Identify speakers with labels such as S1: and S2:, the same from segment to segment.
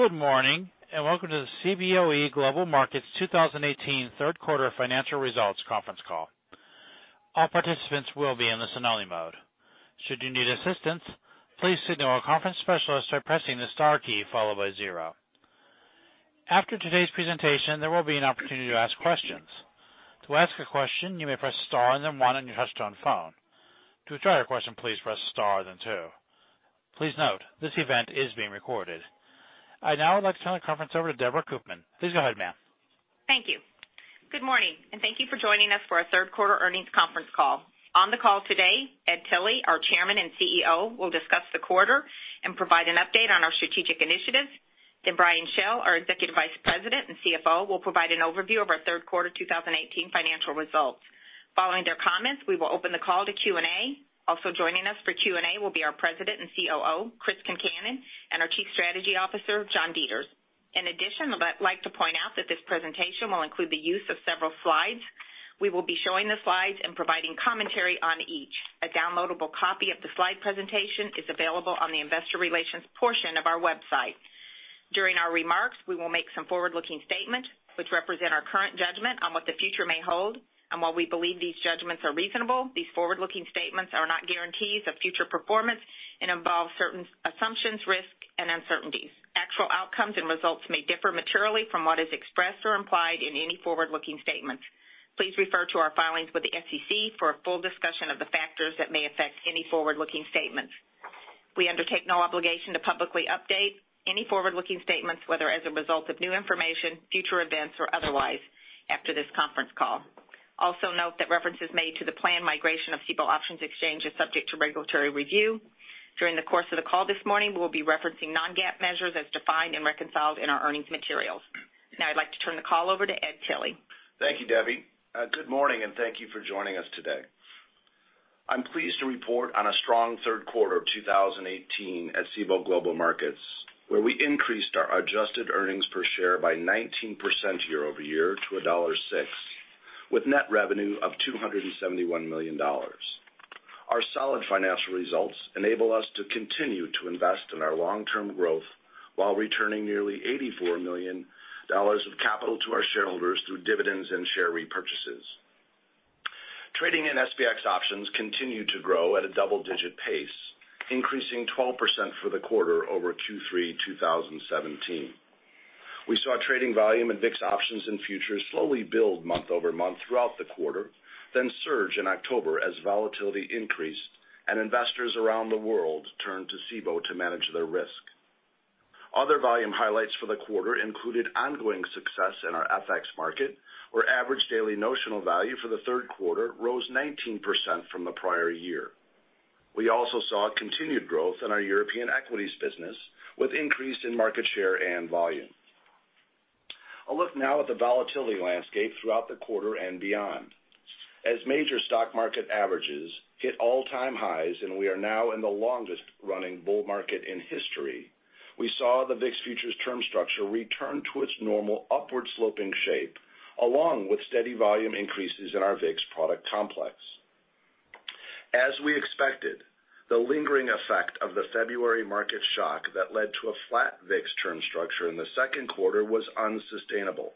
S1: Good morning, welcome to the Cboe Global Markets 2018 third quarter financial results conference call. All participants will be in the listen-only mode. Should you need assistance, please signal a conference specialist by pressing the star key followed by zero. After today's presentation, there will be an opportunity to ask questions. To ask a question, you may press star and then one on your touch-tone phone. To withdraw your question, please press star then two. Please note, this event is being recorded. I'd now like to turn the conference over to Deborah Koopman. Please go ahead, ma'am.
S2: Thank you. Good morning, thank you for joining us for our third quarter earnings conference call. On the call today, Ed Tilly, our Chairman and CEO, will discuss the quarter and provide an update on our strategic initiatives. Brian Schell, our Executive Vice President and CFO, will provide an overview of our third quarter 2018 financial results. Following their comments, we will open the call to Q&A. Also joining us for Q&A will be our President and COO, Chris Concannon, and our Chief Strategy Officer, John Deters. In addition, I'd like to point out that this presentation will include the use of several slides. We will be showing the slides and providing commentary on each. A downloadable copy of the slide presentation is available on the investor relations portion of our website. During our remarks, we will make some forward-looking statements which represent our current judgment on what the future may hold. While we believe these judgments are reasonable, these forward-looking statements are not guarantees of future performance and involve certain assumptions, risks, and uncertainties. Actual outcomes and results may differ materially from what is expressed or implied in any forward-looking statements. Please refer to our filings with the SEC for a full discussion of the factors that may affect any forward-looking statements. We undertake no obligation to publicly update any forward-looking statements, whether as a result of new information, future events, or otherwise after this conference call. Also note that references made to the planned migration of Cboe Options Exchange are subject to regulatory review. During the course of the call this morning, we will be referencing non-GAAP measures as defined and reconciled in our earnings materials. Now I'd like to turn the call over to Ed Tilly.
S3: Thank you, Deborah. Good morning, and thank you for joining us today. I'm pleased to report on a strong third quarter of 2018 at Cboe Global Markets, where we increased our adjusted earnings per share by 19% year-over-year to $1.06, with net revenue of $271 million. Our solid financial results enable us to continue to invest in our long-term growth while returning nearly $84 million of capital to our shareholders through dividends and share repurchases. Trading in SPX options continued to grow at a double-digit pace, increasing 12% for the quarter over Q3 2017. We saw trading volume in VIX options and futures slowly build month-over-month throughout the quarter, then surge in October as volatility increased and investors around the world turned to Cboe to manage their risk. Other volume highlights for the quarter included ongoing success in our FX market, where average daily notional value for the third quarter rose 19% from the prior year. We also saw continued growth in our European equities business, with increase in market share and volume. A look now at the volatility landscape throughout the quarter and beyond. As major stock market averages hit all-time highs and we are now in the longest running bull market in history, we saw the VIX futures term structure return to its normal upward-sloping shape, along with steady volume increases in our VIX product complex. As we expected, the lingering effect of the February market shock that led to a flat VIX term structure in the second quarter was unsustainable,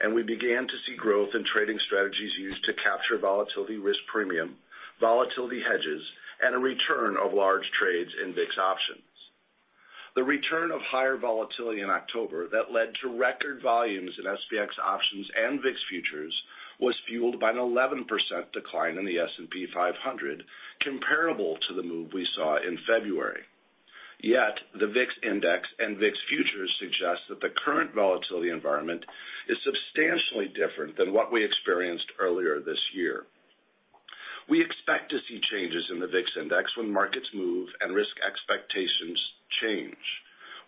S3: and we began to see growth in trading strategies used to capture volatility risk premium, volatility hedges, and a return of large trades in VIX options. The return of higher volatility in October that led to record volumes in SPX options and VIX futures was fueled by an 11% decline in the S&P 500, comparable to the move we saw in February. The VIX index and VIX futures suggest that the current volatility environment is substantially different than what we experienced earlier this year. We expect to see changes in the VIX index when markets move and risk expectations change.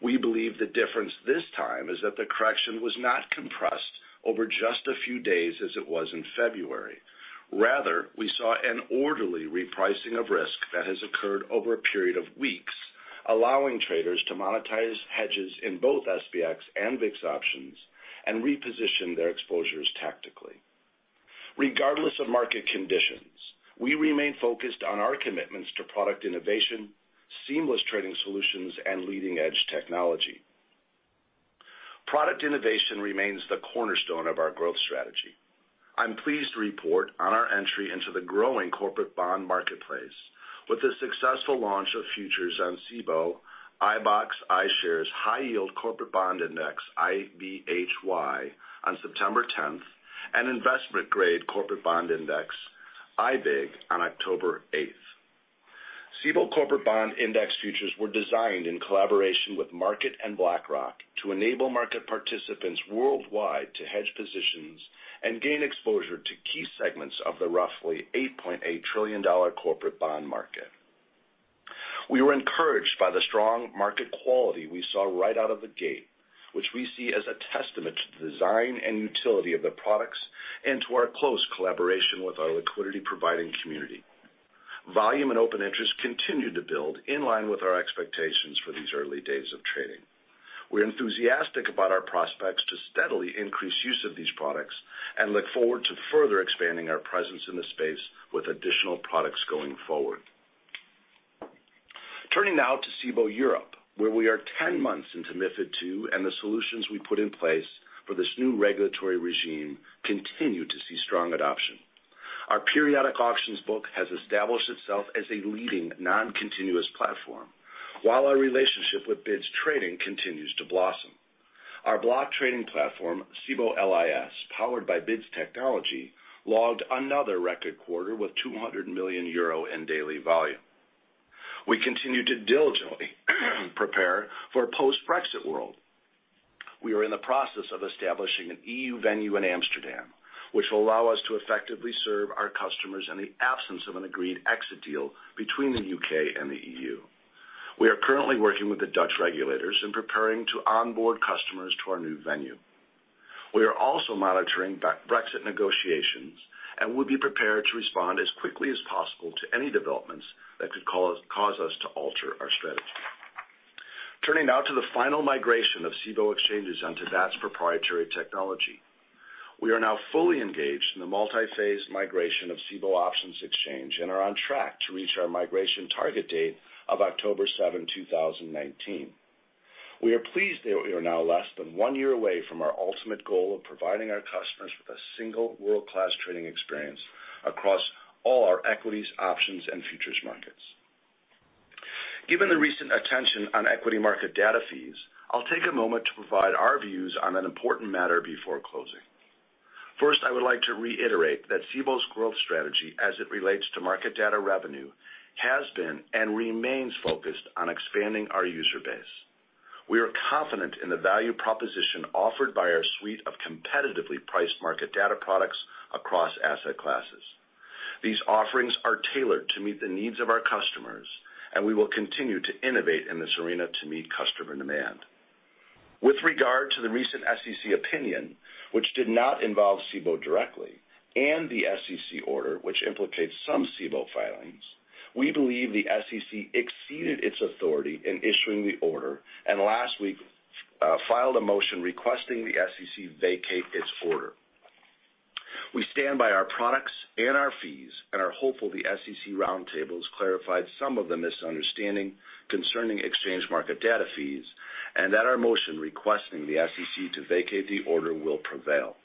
S3: We believe the difference this time is that the correction was not compressed over just a few days as it was in February. We saw an orderly repricing of risk that has occurred over a period of weeks, allowing traders to monetize hedges in both SPX and VIX options and reposition their exposures tactically. Regardless of market conditions, we remain focused on our commitments to product innovation, seamless trading solutions, and leading-edge technology. Product innovation remains the cornerstone of our growth strategy. I'm pleased to report on our entry into the growing corporate bond marketplace with the successful launch of futures on Cboe iBoxx iShares High Yield Corporate Bond Index, IBHY, on September 10th, and Investment Grade Corporate Bond Index, IBIG, on October 8th. Cboe Corporate Bond Index futures were designed in collaboration with MarketAxess and BlackRock to enable market participants worldwide to hedge positions and gain exposure to key segments of the roughly $8.8 trillion corporate bond market. We were encouraged by the strong market quality we saw right out of the gate, which we see as a testament to the design and utility of the products and to our close collaboration with our liquidity-providing community. Volume and open interest continued to build in line with our expectations for these early days of trading. We're enthusiastic about our prospects to steadily increase use of these products and look forward to further expanding our presence in this space with additional products going forward. Turning now to Cboe Europe, where we are 10 months into MiFID II. The solutions we put in place for this new regulatory regime continue to see strong adoption. Our periodic auctions book has established itself as a leading non-continuous platform, while our relationship with BIDS Trading continues to blossom. Our block trading platform, Cboe LIS, powered by BIDS technology, logged another record quarter with 200 million euro in daily volume. We continue to diligently prepare for a post-Brexit world. We are in the process of establishing an EU venue in Amsterdam, which will allow us to effectively serve our customers in the absence of an agreed exit deal between the U.K. and the EU. We are currently working with the Dutch regulators in preparing to onboard customers to our new venue. We are also monitoring Brexit negotiations. We'll be prepared to respond as quickly as possible to any developments that could cause us to alter our strategy. Turning now to the final migration of Cboe exchanges onto that proprietary technology. We are now fully engaged in the multi-phase migration of Cboe Options Exchange and are on track to reach our migration target date of October 7, 2019. We are pleased that we are now less than one year away from our ultimate goal of providing our customers with a single world-class trading experience across all our equities, options, and futures markets. Given the recent attention on equity market data fees, I'll take a moment to provide our views on an important matter before closing. First, I would like to reiterate that Cboe's growth strategy, as it relates to market data revenue, has been and remains focused on expanding our user base. We are confident in the value proposition offered by our suite of competitively priced market data products across asset classes. These offerings are tailored to meet the needs of our customers. We will continue to innovate in this arena to meet customer demand. With regard to the recent SEC opinion, which did not involve Cboe directly, the SEC order, which implicates some Cboe filings, we believe the SEC exceeded its authority in issuing the order. Last week, filed a motion requesting the SEC vacate its order. We stand by our products and our fees and are hopeful the SEC roundtables clarified some of the misunderstanding concerning exchange market data fees, and that our motion requesting the SEC to vacate the order will prevail.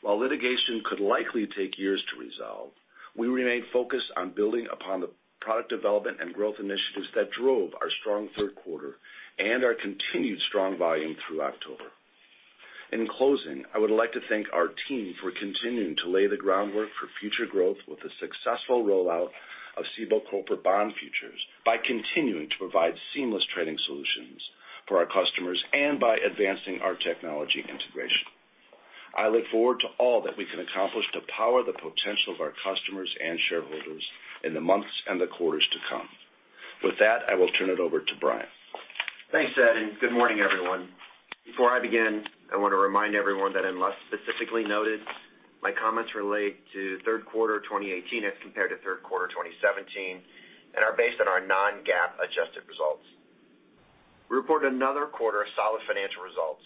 S3: While litigation could likely take years to resolve, we remain focused on building upon the product development and growth initiatives that drove our strong third quarter and our continued strong volume through October. In closing, I would like to thank our team for continuing to lay the groundwork for future growth with the successful rollout of Cboe corporate bond futures by continuing to provide seamless trading solutions for our customers and by advancing our technology integration. I look forward to all that we can accomplish to power the potential of our customers and shareholders in the months and the quarters to come. With that, I will turn it over to Brian.
S4: Thanks, Ed, good morning, everyone. Before I begin, I want to remind everyone that unless specifically noted, my comments relate to third quarter 2018 as compared to third quarter 2017 and are based on our non-GAAP adjusted results. We reported another quarter of solid financial results.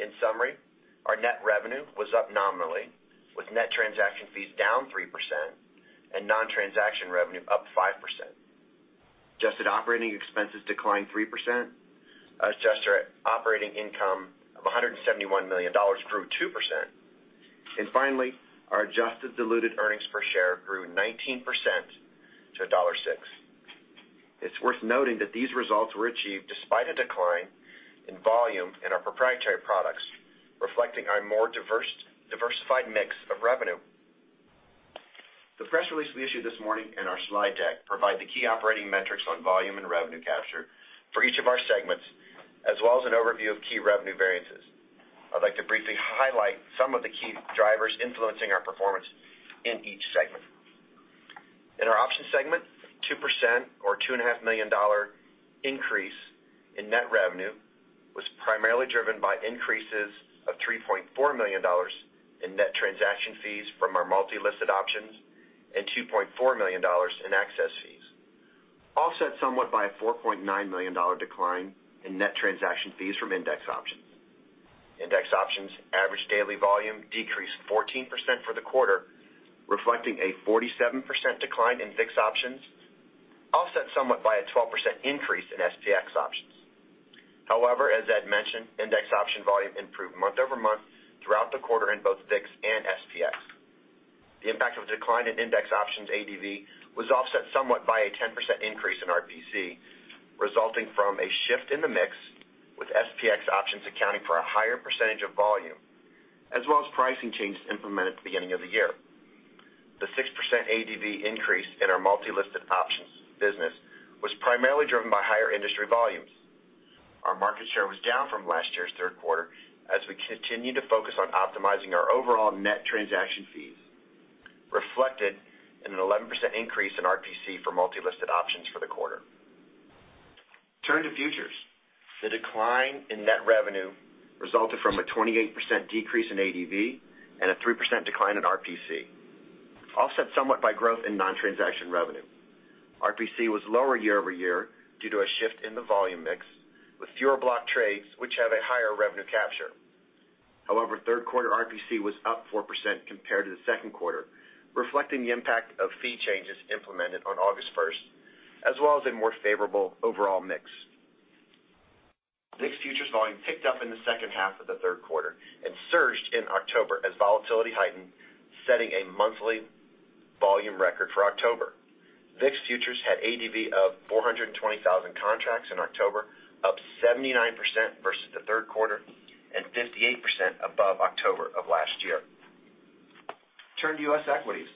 S4: In summary, our net revenue was up nominally, with net transaction fees down 3% and non-transaction revenue up 5%. Adjusted operating expenses declined 3%. Adjusted operating income of $171 million grew 2%. Finally, our adjusted diluted earnings per share grew 19% to $1.06. It's worth noting that these results were achieved despite a decline in volume in our proprietary products, reflecting our more diversified mix of revenue. The press release we issued this morning in our slide deck provide the key operating metrics on volume and revenue capture for each of our segments, as well as an overview of key revenue variances. I'd like to briefly highlight some of the key drivers influencing our performance in each segment. In our options segment, 2% or $2.5 million increase in net revenue was primarily driven by increases of $3.4 million in net transaction fees from our multi-listed options and $2.4 million in access fees, offset somewhat by a $4.9 million decline in net transaction fees from index options. Index options average daily volume decreased 14% for the quarter, reflecting a 47% decline in VIX options, offset somewhat by a 12% increase in SPX options. However, as Ed mentioned, index option volume improved month-over-month throughout the quarter in both VIX and SPX. The impact of decline in index options ADV was offset somewhat by a 10% increase in RPC, resulting from a shift in the mix, with SPX options accounting for a higher percentage of volume, as well as pricing changes implemented at the beginning of the year. The 6% ADV increase in our multi-listed options business was primarily driven by higher industry volumes. Our market share was down from last year's third quarter as we continue to focus on optimizing our overall net transaction fees, reflected in an 11% increase in RPC for multi-listed options for the quarter. Turning to futures. The decline in net revenue resulted from a 28% decrease in ADV and a 3% decline in RPC, offset somewhat by growth in non-transaction revenue. RPC was lower year-over-year due to a shift in the volume mix with fewer block trades, which have a higher revenue capture. However, third quarter RPC was up 4% compared to the second quarter, reflecting the impact of fee changes implemented on August 1st, as well as a more favorable overall mix. VIX futures volume picked up in the second half of the third quarter and surged in October as volatility heightened, setting a monthly volume record for October. VIX futures had ADV of 420,000 contracts in October, up 79% versus the third quarter and 58% above October of last year. Turning to U.S. equities.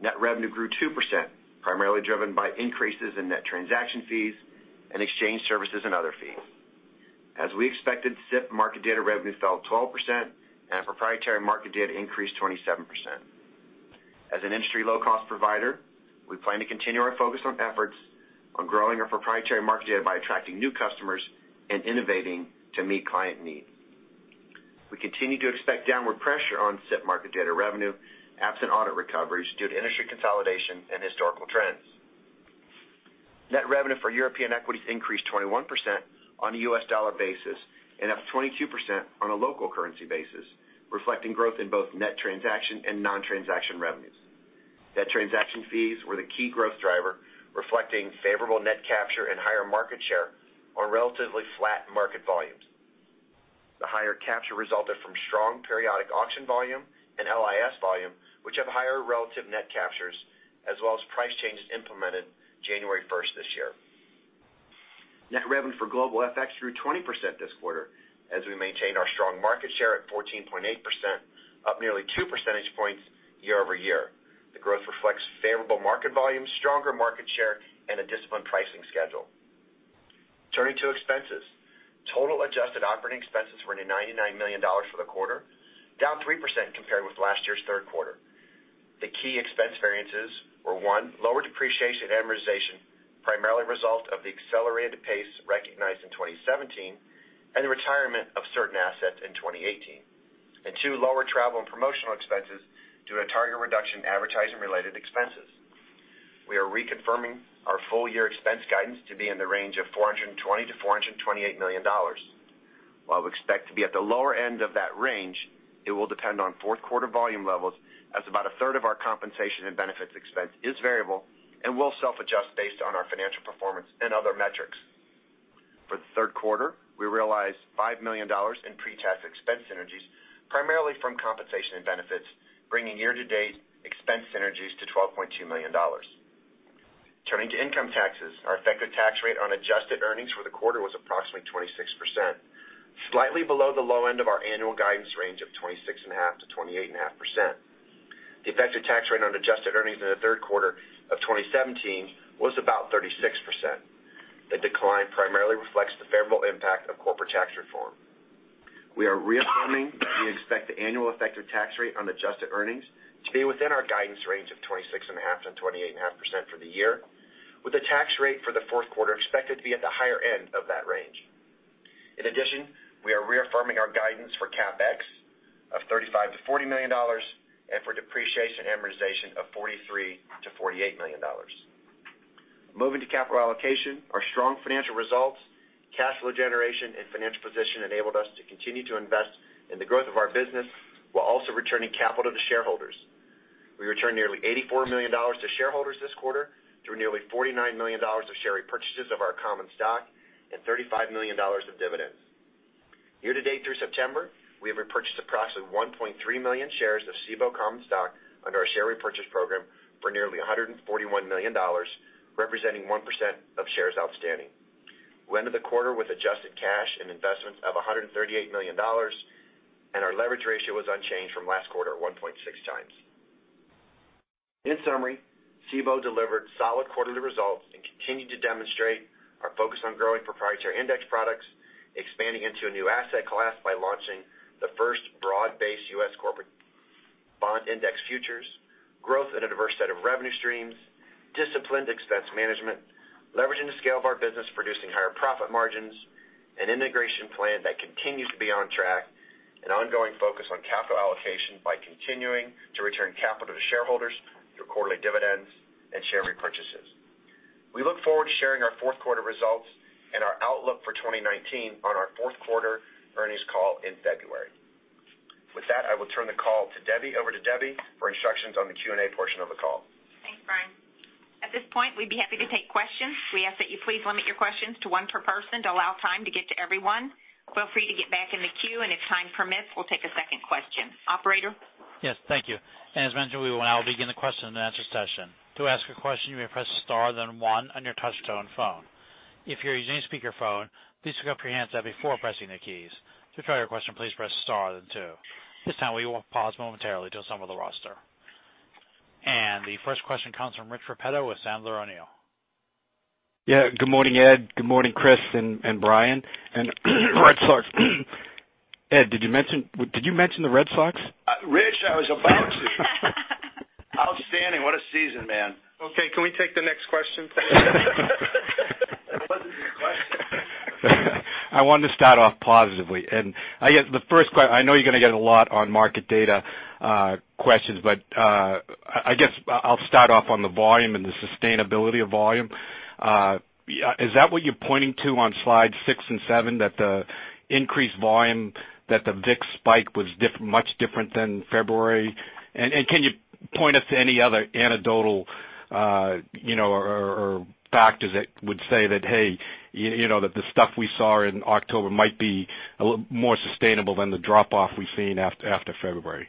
S4: Net revenue grew 2%, primarily driven by increases in net transaction fees and exchange services and other fees. As we expected, SIP market data revenue fell 12% and our proprietary market data increased 27%. As an industry low-cost provider, we plan to continue our focus on efforts on growing our proprietary market data by attracting new customers and innovating to meet client need. We continue to expect downward pressure on SIP market data revenue, absent audit recoveries, due to industry consolidation and historical trends. Net revenue for European equities increased 21% on a U.S. dollar basis and up 22% on a local currency basis, reflecting growth in both net transaction and non-transaction revenues. Net transaction fees were the key growth driver, reflecting favorable net capture and higher market share on relatively flat market volumes. The higher capture resulted from strong periodic auction volume and LIS volume, which have higher relative net captures as well as price changes implemented January 1st this year. Net revenue for global FX grew 20% this quarter as we maintained our strong market share at 14.8%, up nearly two percentage points year-over-year. The growth reflects favorable market volume, stronger market share, and a disciplined pricing schedule. Turning to expenses. Total adjusted operating expenses were $99 million for the quarter, down 3% compared with last year's third quarter. The key expense variances were, one, lower depreciation and amortization, primarily a result of the accelerated pace recognized in 2017 and the retirement of certain assets in 2018. Two, lower travel and promotional expenses due to a target reduction in advertising-related expenses. We are reconfirming our full-year expense guidance to be in the range of $420 million-$428 million. While we expect to be at the lower end of that range, it will depend on fourth quarter volume levels as about a third of our compensation and benefits expense is variable and will self-adjust based on our financial performance and other metrics. For the third quarter, we realized $5 million in pre-tax expense synergies, primarily from compensation and benefits, bringing year-to-date expense synergies to $12.2 million. Turning to income taxes, our effective tax rate on adjusted earnings for the quarter was approximately 26%, slightly below the low end of our annual guidance range of 26.5%-28.5%. The effective tax rate on adjusted earnings in the third quarter of 2017 was about 36%. The decline primarily reflects the favorable impact of corporate tax reform. We are reaffirming we expect the annual effective tax rate on adjusted earnings to be within our guidance range of 26.5%-28.5% for the year, with the tax rate for the fourth quarter expected to be at the higher end of that range. In addition, we are reaffirming our guidance for CapEx of $35 million to $40 million and for depreciation and amortization of $43 million to $48 million. Moving to capital allocation, our strong financial results, cash flow generation, and financial position enabled us to continue to invest in the growth of our business while also returning capital to shareholders. We returned nearly $84 million to shareholders this quarter through nearly $49 million of share repurchases of our common stock and $35 million of dividends. Year to date through September, we have repurchased approximately 1.3 million shares of Cboe common stock under our share repurchase program for nearly $141 million, representing 1% of shares outstanding. We ended the quarter with adjusted cash and investments of $138 million, and our leverage ratio was unchanged from last quarter at 1.6 times. In summary, Cboe delivered solid quarterly results and continued to demonstrate our focus on growing proprietary index products, expanding into a new asset class by launching the first broad-based U.S. corporate bond index futures, growth in a diverse set of revenue streams, disciplined expense management, leveraging the scale of our business, producing higher profit margins, an integration plan that continues to be on track, an ongoing focus on capital allocation by continuing to return capital to shareholders through quarterly dividends and share repurchases. We look forward to sharing our fourth quarter results and our outlook for 2019 on our fourth quarter earnings call in February. With that, I will turn the call over to Debbie for instructions on the Q&A portion of the call.
S2: Thanks, Brian. At this point, we'd be happy to take questions. We ask that you please limit your questions to one per person to allow time to get to everyone. Feel free to get back in the queue, if time permits, we'll take a second question. Operator?
S1: Yes. Thank you. As mentioned, we will now begin the question and answer session. To ask a question, you may press star, then one on your touch-tone phone. If you're using a speakerphone, please pick up your handset before pressing the keys. To withdraw your question, please press star, then two. At this time, we will pause momentarily to assemble the roster. The first question comes from Rich Repetto with Sandler O'Neill.
S5: Yeah. Good morning, Ed. Good morning, Chris and Brian. Red Sox. Ed, did you mention the Red Sox?
S3: Rich, I was about to. Outstanding. What a season, man.
S1: Okay, can we take the next question, please?
S4: That wasn't a question.
S5: I wanted to start off positively. I know you're going to get a lot on market data questions, I guess I'll start off on the volume and the sustainability of volume. Is that what you're pointing to on slide six and seven, that the increased volume that the VIX spike was much different than February? Can you point us to any other anecdotal or factors that would say that, "Hey, that the stuff we saw in October might be a little more sustainable than the drop-off we've seen after February?"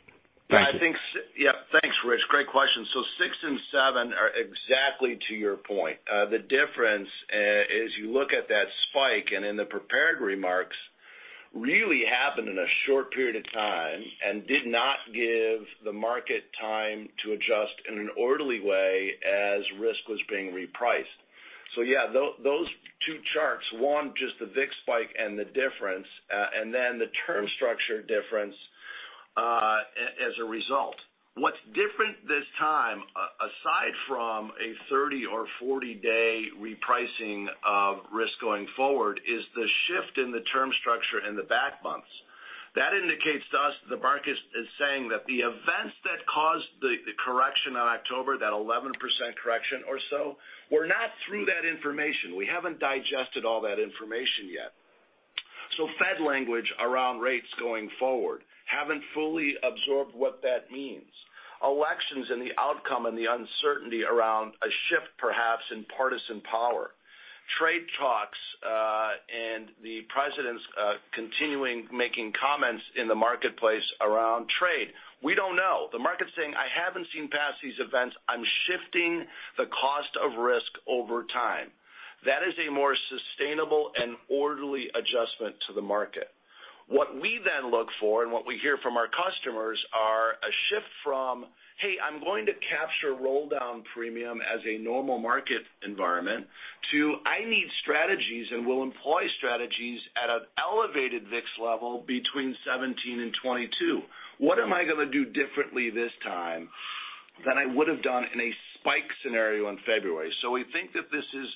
S5: Thank you.
S3: Yeah. Thanks, Rich. Great question. Six and seven are exactly to your point. The difference, as you look at that spike and in the prepared remarks, really happened in a short period of time and did not give the market time to adjust in an orderly way as risk was being repriced. Yeah, those two charts, one, just the VIX spike and the difference, and then the term structure difference, as a result. What's different this time, aside from a 30- or 40-day repricing of risk going forward, is the shift in the term structure in the back months. That indicates to us the market is saying that the events that caused the correction in October, that 11% correction or so, we're not through that information. We haven't digested all that information yet. Fed language around rates going forward, haven't fully absorbed what that means. Elections and the outcome and the uncertainty around a shift, perhaps, in partisan power. Trade talks, the president's continuing making comments in the marketplace around trade. We don't know. The market's saying, "I haven't seen past these events. I'm shifting the cost of risk over time." That is a more sustainable and orderly adjustment to the market. What we then look for and what we hear from our customers are a shift from, "Hey, I'm going to capture roll-down premium as a normal market environment" to, "I need strategies, and we'll employ strategies at an elevated VIX level between 17 and 22. What am I going to do differently this time than I would've done in a spike scenario in February? We think that this is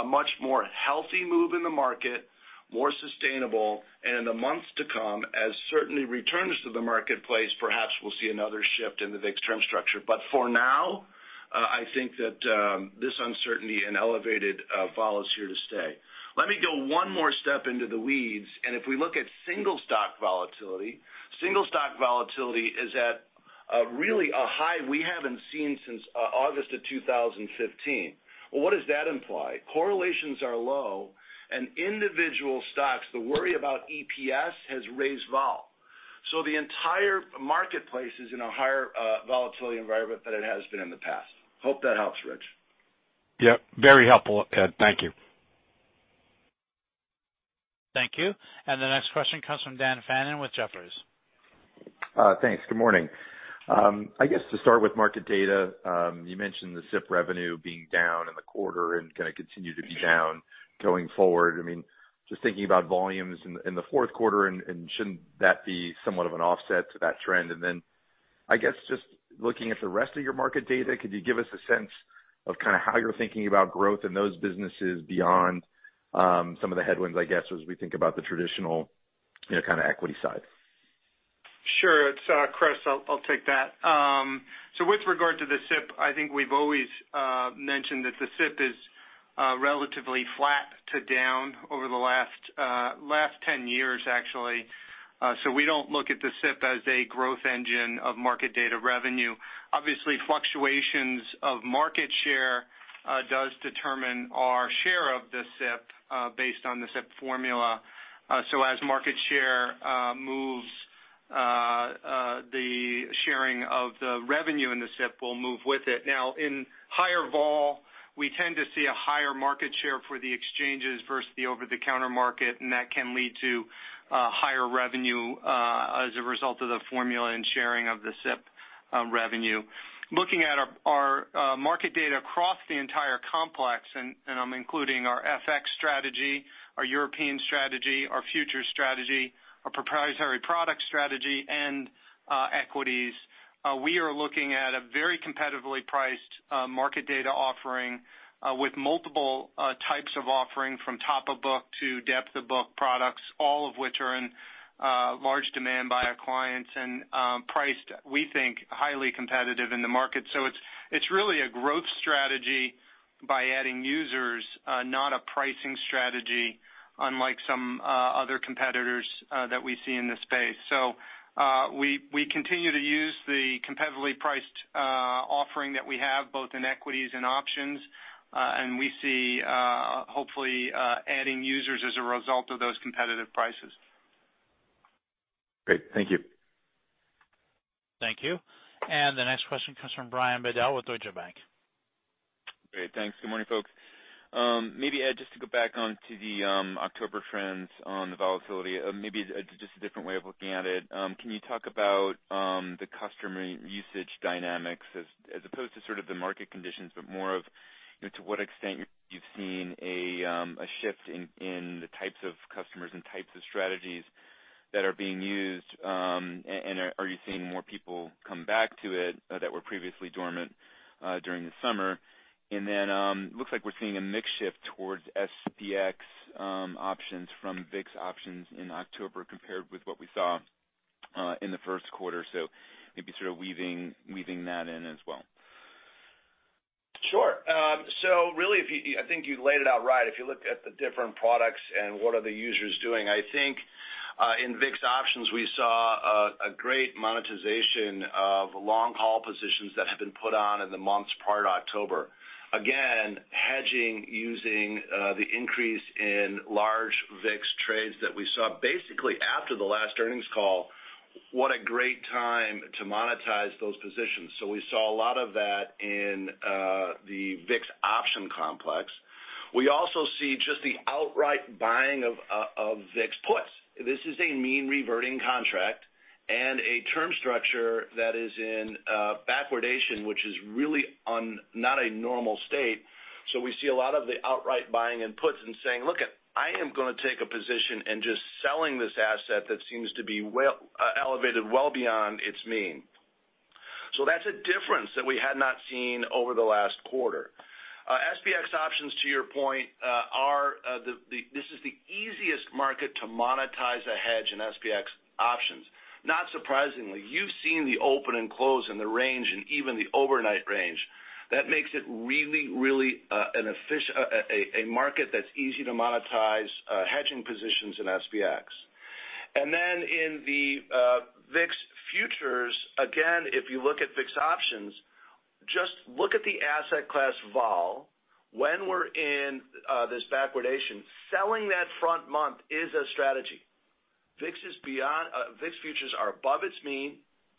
S3: a much more healthy move in the market, more sustainable, and in the months to come, as certainty returns to the marketplace, perhaps we'll see another shift in the VIX term structure. For now, I think that this uncertainty and elevated vol is here to stay. Let me go one more step into the weeds, if we look at single-stock volatility, single-stock volatility is at really a high we haven't seen since August of 2015. Well, what does that imply? Correlations are low, individual stocks, the worry about EPS has raised vol. The entire marketplace is in a higher volatility environment than it has been in the past. Hope that helps, Rich.
S5: Yep, very helpful, Ed. Thank you.
S1: Thank you. The next question comes from Dan Fannon with Jefferies.
S6: Thanks. Good morning. I guess to start with market data, you mentioned the SIP revenue being down in the quarter and going to continue to be down going forward. Just thinking about volumes in the fourth quarter, shouldn't that be somewhat of an offset to that trend? I guess, just looking at the rest of your market data, could you give us a sense of how you're thinking about growth in those businesses beyond some of the headwinds, I guess, as we think about the traditional equity side?
S7: Sure. It's Chris. I'll take that. With regard to the SIP, I think we've always mentioned that the SIP is relatively flat to down over the last 10 years, actually. We don't look at the SIP as a growth engine of market data revenue. Obviously, fluctuations of market share does determine our share of the SIP based on the SIP formula. As market share moves, the sharing of the revenue in the SIP will move with it. Now, in higher vol, we tend to see a higher market share for the exchanges versus the over-the-counter market, that can lead to higher revenue as a result of the formula and sharing of the SIP revenue.
S3: Looking at our market data across the entire complex, I'm including our FX strategy, our European strategy, our futures strategy, our proprietary product strategy, and equities, we are looking at a very competitively priced market data offering with multiple types of offering from top of book to depth of book products, all of which are in large demand by our clients and priced, we think, highly competitive in the market. It's really a growth strategy by adding users, not a pricing strategy, unlike some other competitors that we see in the space. We continue to use the competitively priced offering that we have, both in equities and options. We see, hopefully, adding users as a result of those competitive prices.
S6: Great. Thank you.
S1: Thank you. The next question comes from Brian Bedell with Deutsche Bank.
S8: Great. Thanks. Good morning, folks. Maybe, Ed, just to go back onto the October trends on the volatility, maybe just a different way of looking at it. Can you talk about the customer usage dynamics as opposed to sort of the market conditions, but more of to what extent you've seen a shift in the types of customers and types of strategies that are being used? Are you seeing more people come back to it that were previously dormant during the summer? Looks like we're seeing a mix shift towards SPX options from VIX options in October compared with what we saw in the first quarter, so maybe sort of weaving that in as well.
S3: Sure. Really, I think you laid it out right. If you look at the different products and what are the users doing, I think, in VIX options, we saw a great monetization of long-haul positions that have been put on in the months prior to October. Again, hedging using the increase in large VIX trades that we saw. Basically, after the last earnings call, what a great time to monetize those positions. We saw a lot of that in the VIX option complex. We also see just the outright buying of VIX puts. This is a mean-reverting contract and a term structure that is in backwardation, which is really not a normal state. We see a lot of the outright buying in puts and saying, "Look, I am going to take a position in just selling this asset that seems to be elevated well beyond its mean." That's a difference that we had not seen over the last quarter. SPX options, to your point, this is the easiest market to monetize a hedge in SPX options. Not surprisingly, you've seen the open and close and the range and even the overnight range. That makes it really, really a market that's easy to monetize hedging positions in SPX. In the VIX futures, again, if you look at VIX options, just look at the asset class vol. When we're in this backwardation, selling that front month is a strategy. VIX futures are above its mean,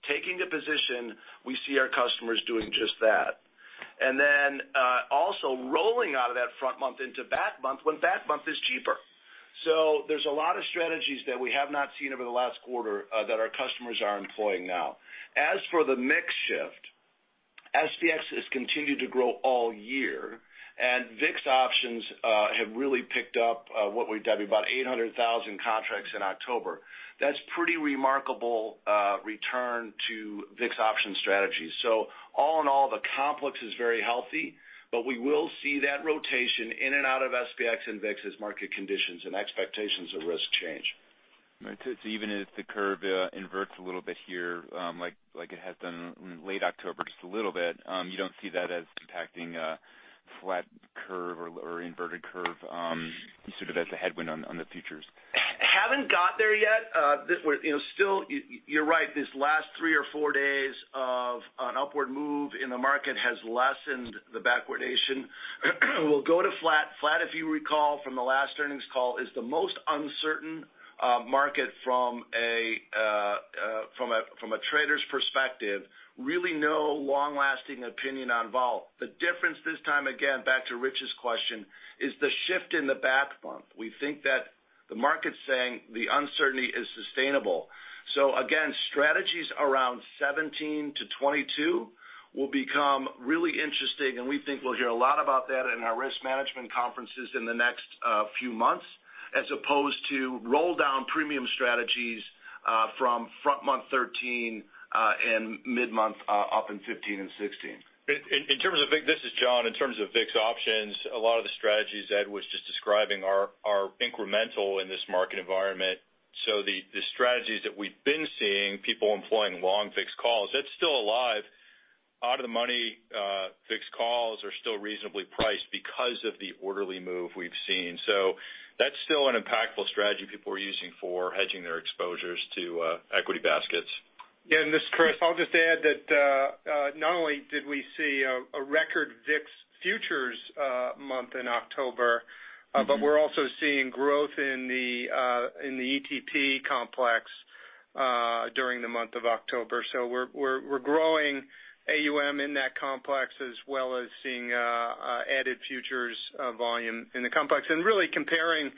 S3: taking a position, we see our customers doing just that. Also rolling out of that front month into back month when back month is cheaper. There's a lot of strategies that we have not seen over the last quarter that our customers are employing now. As for the mix shift, SPX has continued to grow all year, and VIX options have really picked up what we've done, about 800,000 contracts in October. That's pretty remarkable return to VIX option strategies. All in all, the complex is very healthy, but we will see that rotation in and out of SPX and VIX as market conditions and expectations of risk change.
S8: Even if the curve inverts a little bit here, like it has done in late October just a little bit, you don't see that as impacting a flat curve or inverted curve sort of as a headwind on the futures.
S3: Haven't got there yet. You're right, these last three or four days of an upward move in the market has lessened the backwardation. We'll go to flat. Flat, if you recall from the last earnings call, is the most uncertain market from a trader's perspective. Really no long-lasting opinion on vol. The difference this time, again, back to Rich's question, is the shift in the back month. We think that the market's saying the uncertainty is sustainable. Again, strategies around 17 to 22 will become really interesting, and we think we'll hear a lot about that in our risk management conferences in the next few months, as opposed to roll down premium strategies from front month 13 and mid-month up in 15 and 16.
S9: This is John. In terms of VIX options, a lot of the strategies Ed was just describing are incremental in this market environment. The strategies that we've been seeing, people employing long VIX calls, that's still alive. Out-of-the-money VIX calls are still reasonably priced because of the orderly move we've seen. That's still an impactful strategy people are using for hedging their exposures to equity baskets.
S7: Yeah, this is Chris. I'll just add that, not only did we see a record VIX futures month in October. We're also seeing growth in the ETP complex during the month of October. We're growing AUM in that complex as well as seeing added futures volume in the complex. Really comparing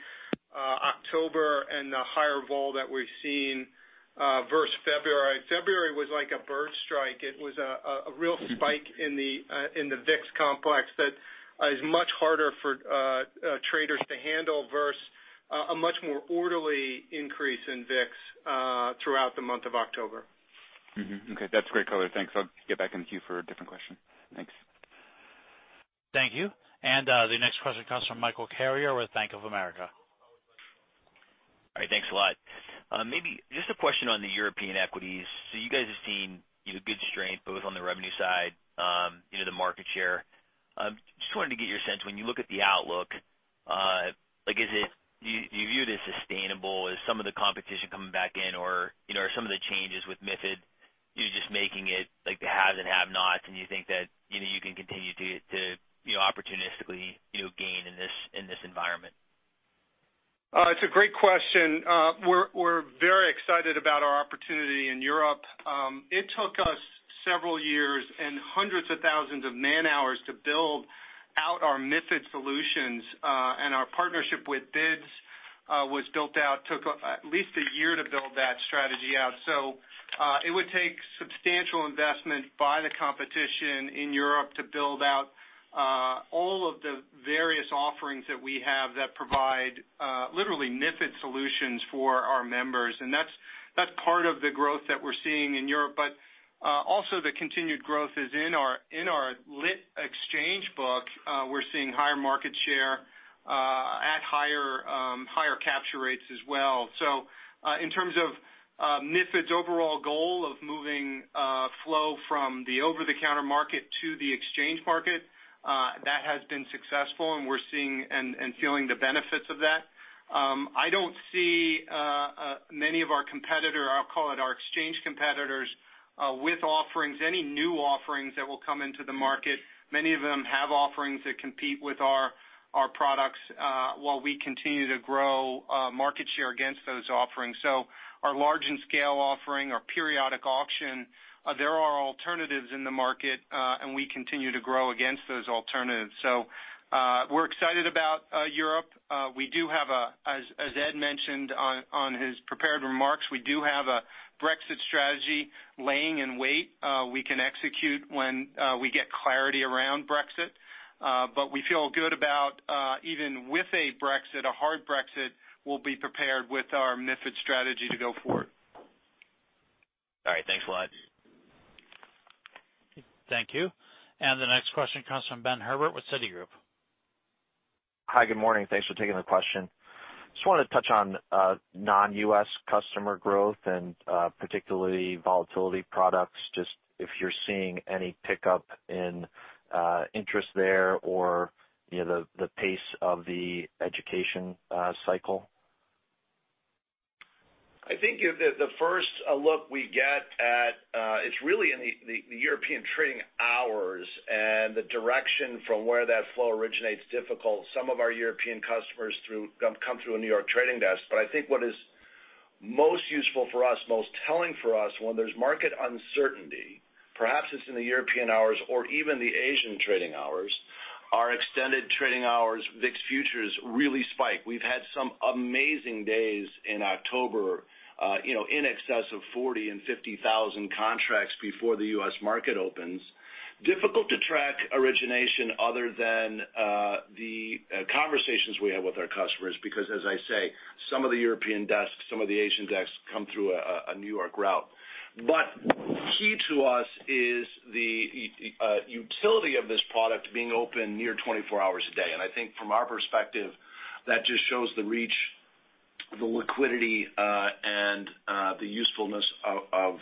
S7: October and the higher vol that we've seen versus February. February was like a bird strike. It was a real spike in the VIX complex that is much harder for traders to handle versus a much more orderly increase in VIX throughout the month of October.
S8: Okay, that's great color. Thanks. I'll get back in the queue for a different question. Thanks.
S1: Thank you. The next question comes from Michael Carrier with Bank of America.
S10: All right. Thanks a lot. Maybe just a question on the European equities. You guys have seen good strength, both on the revenue side, the market share. Just wanted to get your sense when you look at the outlook, do you view it as sustainable? Is some of the competition coming back in? Are some of the changes with MiFID, you're just making it like the haves and have-nots, and you think that you can continue to opportunistically gain in this environment?
S7: It's a great question. We're very excited about our opportunity in Europe. It took us several years and hundreds of thousands of man-hours to build out our MiFID solutions, and our partnership with BIDS was built out, took at least a year to build that strategy out. It would take substantial investment by the competition in Europe to build out all of the various offerings that we have that provide literally MiFID solutions for our members. That's part of the growth that we're seeing in Europe. Also, the continued growth is in our lit exchange book. We're seeing higher market share at higher capture rates as well. In terms of MiFID's overall goal of moving flow from the over-the-counter market to the exchange market, that has been successful, and we're seeing and feeling the benefits of that. I don't see many of our competitor, I'll call it our exchange competitors, with offerings, any new offerings that will come into the market. Many of them have offerings that compete with our products while we continue to grow market share against those offerings. Our large in scale offering, our periodic auction, there are alternatives in the market, and we continue to grow against those alternatives. We're excited about Europe. We do have, as Ed mentioned on his prepared remarks, we do have a Brexit strategy laying in wait. We can execute when we get clarity around Brexit. We feel good about, even with a Brexit, a hard Brexit, we'll be prepared with our MiFID strategy to go forward.
S10: All right. Thanks a lot.
S1: Thank you. The next question comes from Benjamin Herbert with Citigroup.
S11: Hi, good morning. Thanks for taking my question. Just wanted to touch on non-U.S. customer growth and particularly volatility products, just if you're seeing any pickup in interest there or the pace of the education cycle.
S3: I think the first look we get at, it's really in the European trading hours and the direction from where that flow originates difficult. Some of our European customers come through a New York trading desk. I think what is most useful for us, most telling for us, when there's market uncertainty, perhaps it's in the European hours or even the Asian trading hours, our extended trading hours VIX Futures really spike. We've had some amazing days in October, in excess of 40,000 and 50,000 contracts before the U.S. market opens. Difficult to track origination other than the conversations we have with our customers because, as I say, some of the European desks, some of the Asian desks come through a New York route. Key to us is the utility of this product being open near 24 hours a day.
S7: I think from our perspective, that just shows the reach, the liquidity, and the usefulness of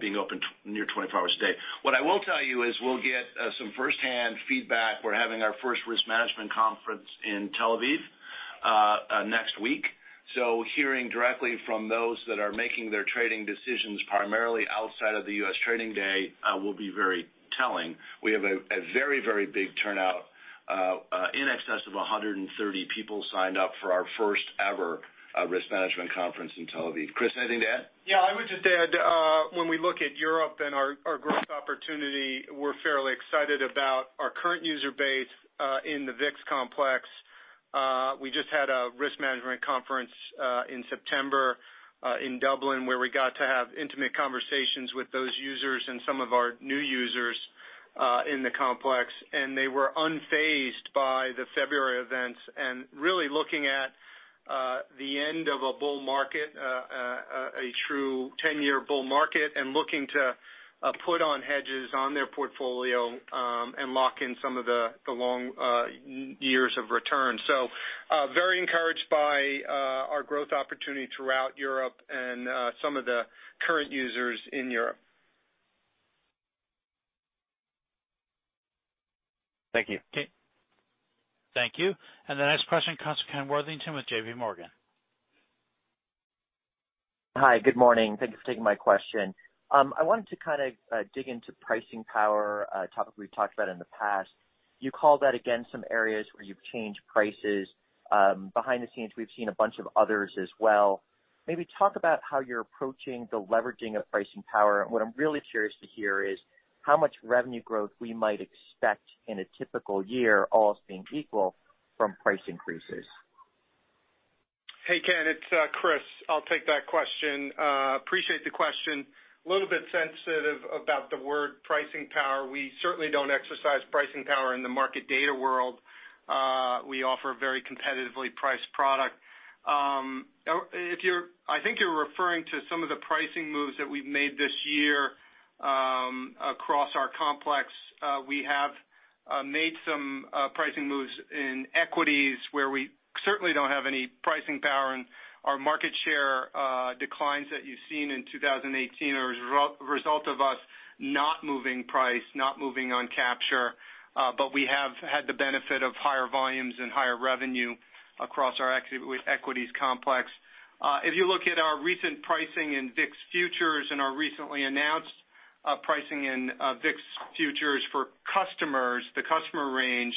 S7: being open near 24 hours a day. What I will tell you is we'll get some first-hand feedback. We're having our first risk management conference in Tel Aviv next week. Hearing directly from those that are making their trading decisions primarily outside of the U.S. trading day will be very telling. We have a very, very big turnout, in excess of 130 people signed up for our first ever risk management conference in Tel Aviv. Chris, anything to add? I would just add, when we look at Europe and our growth opportunity, we're fairly excited about our current user base in the VIX complex. We just had a risk management conference in September in Dublin, where we got to have intimate conversations with those users and some of our new users in the complex, and they were unfazed by the February events and really looking at the end of a bull market, a true 10-year bull market, and looking to put on hedges on their portfolio, and lock in some of the long years of return. Very encouraged by our growth opportunity throughout Europe and some of the current users in Europe.
S11: Thank you.
S1: Okay. Thank you. The next question comes from Kenneth Worthington with JPMorgan.
S12: Hi, good morning. Thanks for taking my question. I wanted to kind of dig into pricing power, a topic we've talked about in the past. You called out again some areas where you've changed prices. Behind the scenes, we've seen a bunch of others as well. Maybe talk about how you're approaching the leveraging of pricing power. What I'm really curious to hear is how much revenue growth we might expect in a typical year, all else being equal, from price increases.
S7: Hey, Ken, it's Chris. I'll take that question. Appreciate the question. A little bit sensitive about the word pricing power. We certainly don't exercise pricing power in the market data world. We offer a very competitively priced product. I think you're referring to some of the pricing moves that we've made this year across our complex. We have made some pricing moves in equities where we certainly don't have any pricing power, and our market share declines that you've seen in 2018 are a result of us not moving price, not moving on capture, but we have had the benefit of higher volumes and higher revenue across our equities complex. If you look at our recent pricing in VIX Futures and our recently announced pricing in VIX Futures for customers, the customer range,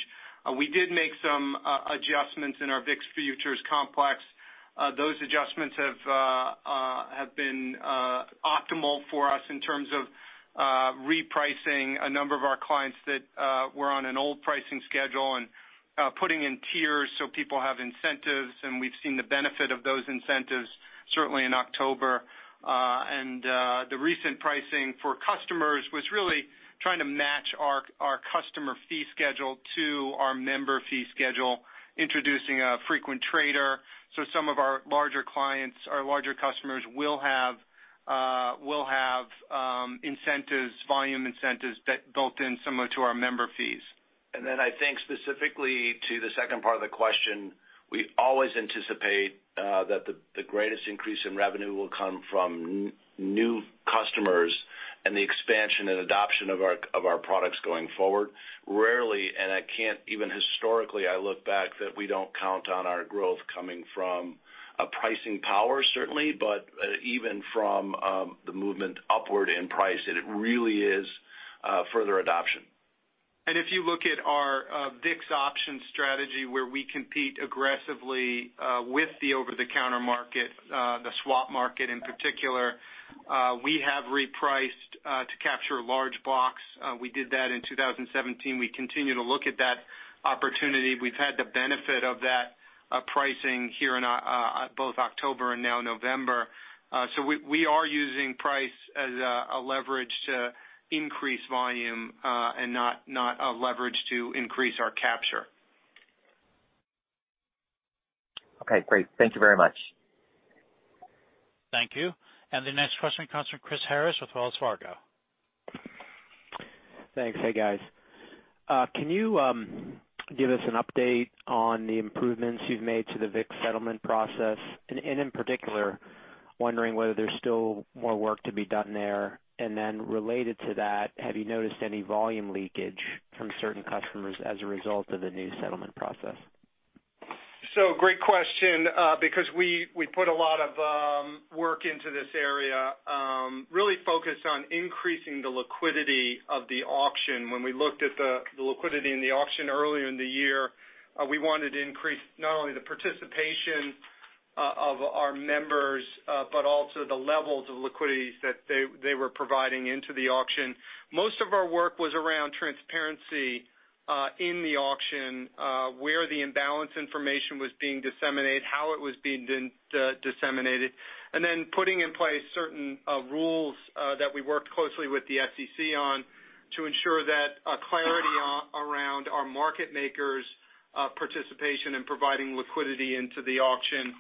S7: we did make some adjustments in our VIX Futures complex. Those adjustments have been optimal for us in terms of repricing a number of our clients that were on an old pricing schedule and putting in tiers so people have incentives, and we've seen the benefit of those incentives, certainly in October. The recent pricing for customers was really trying to match our customer fee schedule to our member fee schedule, introducing a frequent trader, so some of our larger clients, our larger customers will have incentives, volume incentives that built in similar to our member fees.
S3: I think specifically to the second part of the question, we always anticipate that the greatest increase in revenue will come from new customers and the expansion and adoption of our products going forward. Rarely, and I can't even historically I look back that we don't count on our growth coming from a pricing power, certainly, but even from the movement upward in price, that it really is further adoption.
S7: If you look at our VIX option strategy, where we compete aggressively with the over-the-counter market, the swap market in particular, we have repriced to capture large blocks. We did that in 2017. We continue to look at that opportunity. We've had the benefit of that pricing here in both October and now November. We are using price as a leverage to increase volume, and not a leverage to increase our capture.
S12: Okay, great. Thank you very much.
S1: Thank you. The next question comes from Chris Harris with Wells Fargo.
S13: Thanks. Hey, guys. Can you give us an update on the improvements you've made to the VIX settlement process? In particular, wondering whether there's still more work to be done there. Related to that, have you noticed any volume leakage from certain customers as a result of the new settlement process?
S7: Great question because we put a lot of work into this area, really focused on increasing the liquidity of the auction. When we looked at the liquidity in the auction earlier in the year, we wanted to increase not only the participation of our members but also the levels of liquidity that they were providing into the auction. Most of our work was around transparency in the auction, where the imbalance information was being disseminated, how it was being disseminated, and then putting in place certain rules that we worked closely with the SEC on to ensure that clarity around our market makers' participation in providing liquidity into the auction.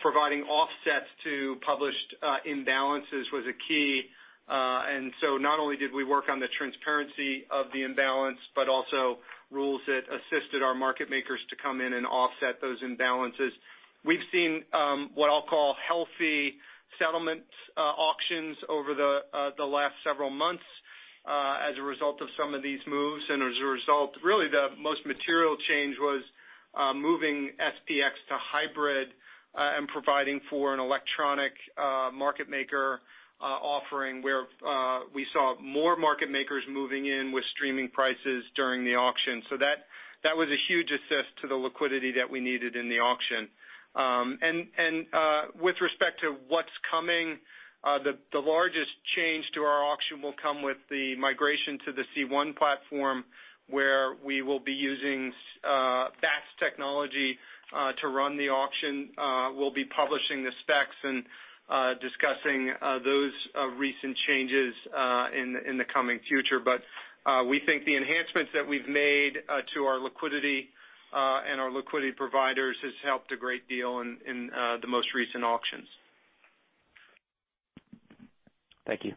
S7: Providing offsets to published imbalances was a key. Not only did we work on the transparency of the imbalance, but also rules that assisted our market makers to come in and offset those imbalances. We've seen what I'll call healthy settlement auctions over the last several months as a result of some of these moves. As a result, really the most material change was moving SPX to hybrid and providing for an electronic market maker offering where we saw more market makers moving in with streaming prices during the auction. That was a huge assist to the liquidity that we needed in the auction. With respect to what's coming, the largest change to our auction will come with the migration to the C1 platform where we will be using FAST technology to run the auction. We'll be publishing the specs and discussing those recent changes in the coming future. We think the enhancements that we've made to our liquidity and our liquidity providers has helped a great deal in the most recent auctions.
S13: Thank you.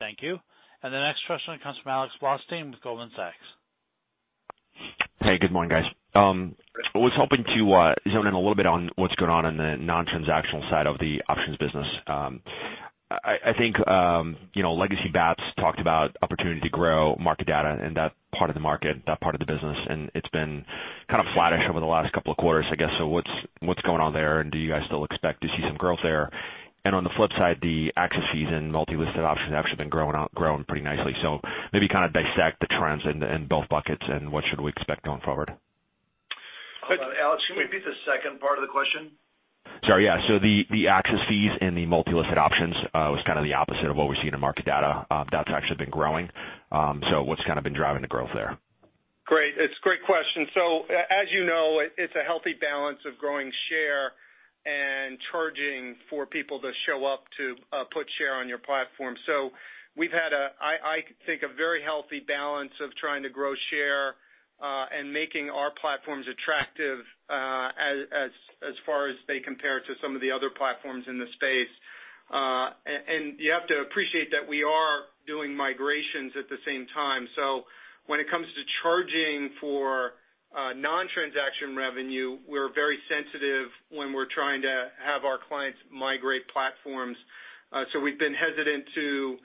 S1: Thank you. The next question comes from Alex Kramm with Goldman Sachs.
S14: Hey, good morning, guys. I was hoping to zone in a little bit on what's going on in the non-transactional side of the options business. I think, Legacy BATS talked about opportunity to grow market data in that part of the market, that part of the business, and it's been kind of flattish over the last couple of quarters, I guess. What's going on there, and do you guys still expect to see some growth there? On the flip side, the access fees and multi-listed options have actually been growing pretty nicely. Maybe kind of dissect the trends in both buckets and what should we expect going forward?
S3: Hold on, Alex, can you repeat the second part of the question?
S14: Sorry, yeah. The access fees and the multi-listed options was kind of the opposite of what we're seeing in market data that's actually been growing. What's kind of been driving the growth there?
S7: Great. It's a great question. As you know, it's a healthy balance of growing share and charging for people to show up to put share on your platform. We've had, I think, a very healthy balance of trying to grow share and making our platforms attractive as far as they compare to some of the other platforms in the space. You have to appreciate that we are doing migrations at the same time. When it comes to charging for non-transaction revenue, we're very sensitive when we're trying to have our clients migrate platforms. We've been hesitant to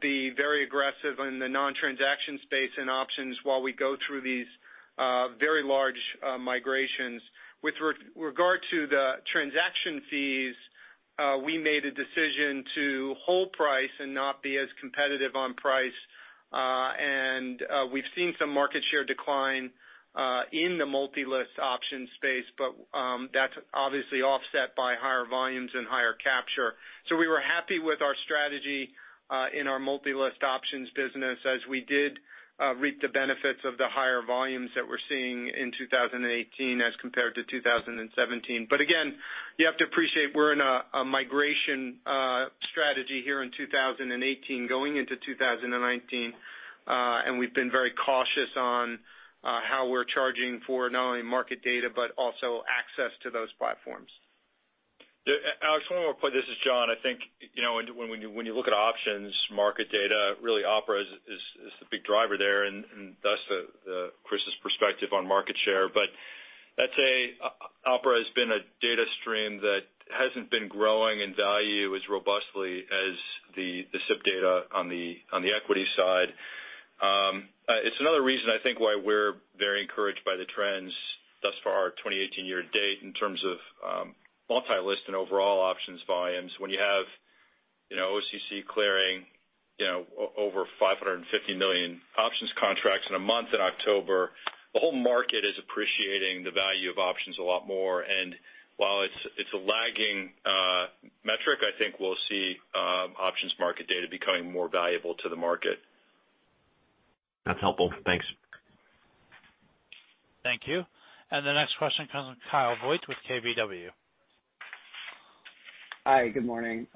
S7: be very aggressive in the non-transaction space and options while we go through these very large migrations. With regard to the transaction fees, we made a decision to hold price and not be as competitive on price. We've seen some market share decline in the multi-list option space, that's obviously offset by higher volumes and higher capture. We were happy with our strategy in our multi-list options business as we did reap the benefits of the higher volumes that we're seeing in 2018 as compared to 2017. Again, you have to appreciate we're in a migration strategy here in 2018 going into 2019. We've been very cautious on how we're charging for not only market data but also access to those platforms.
S9: Alex, one more point. This is John. I think when you look at options, market data, really OPRA is the big driver there, and thus Chris's perspective on market share. I'd say OPRA has been a data stream that hasn't been growing in value as robustly as the SIP data on the equity side. It's another reason I think why we're very encouraged by the trends thus far, our 2018 year to date in terms of multi-list and overall options volumes. When you have OCC clearing over 550 million options contracts in a month in October, the whole market is appreciating the value of options a lot more. While it's a lagging metric, I think we'll see options market data becoming more valuable to the market.
S14: That's helpful. Thanks.
S1: Thank you. The next question comes from Kyle Voigt with KBW.
S15: Hi, good morning.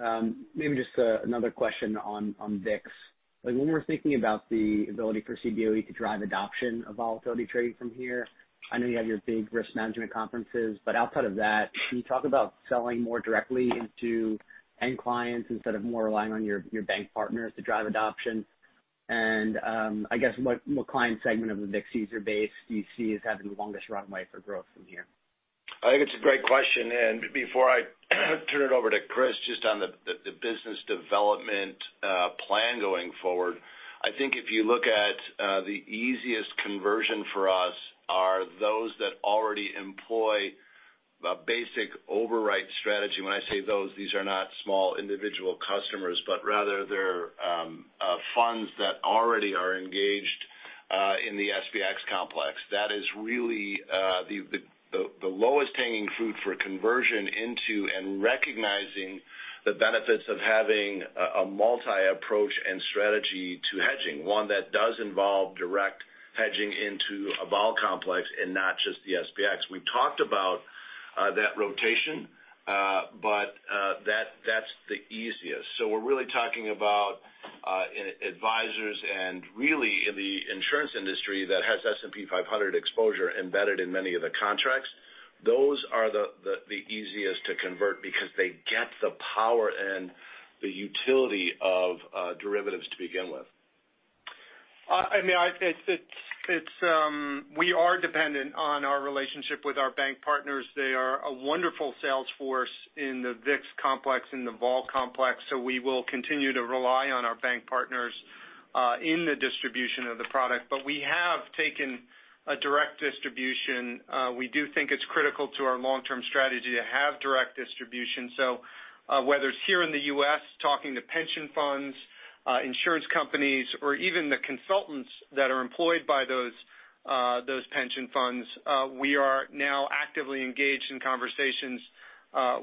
S15: Maybe just another question on VIX. When we're thinking about the ability for Cboe to drive adoption of volatility trading from here, I know you have your big risk management conferences, but outside of that, can you talk about selling more directly into end clients instead of more relying on your bank partners to drive adoption? I guess what client segment of the VIX user base do you see as having the longest runway for growth from here?
S9: I think it's a great question, and before I turn it over to Chris, just on the business development plan going forward, I think if you look at the easiest conversion for us are those that already employ a basic override strategy. When I say those, these are not small individual customers, but rather they're funds that already are engaged in the SPX complex. That is really the lowest hanging fruit for conversion into and recognizing the benefits of having a multi-approach and strategy to hedging, one that does involve direct hedging into a vol complex and not just the SPX. We talked about that rotation, but that's the easiest. We're really talking about advisors and really in the insurance industry that has S&P 500 exposure embedded in many of the contracts. Those are the easiest to convert because they get the power and the utility of derivatives to begin with.
S7: We are dependent on our relationship with our bank partners. They are a wonderful sales force in the VIX complex, in the vol complex, we will continue to rely on our bank partners in the distribution of the product. We have taken a direct distribution. We do think it's critical to our long-term strategy to have direct distribution. Whether it's here in the U.S. talking to pension funds, insurance companies, or even the consultants that are employed by those pension funds, we are now actively engaged in conversations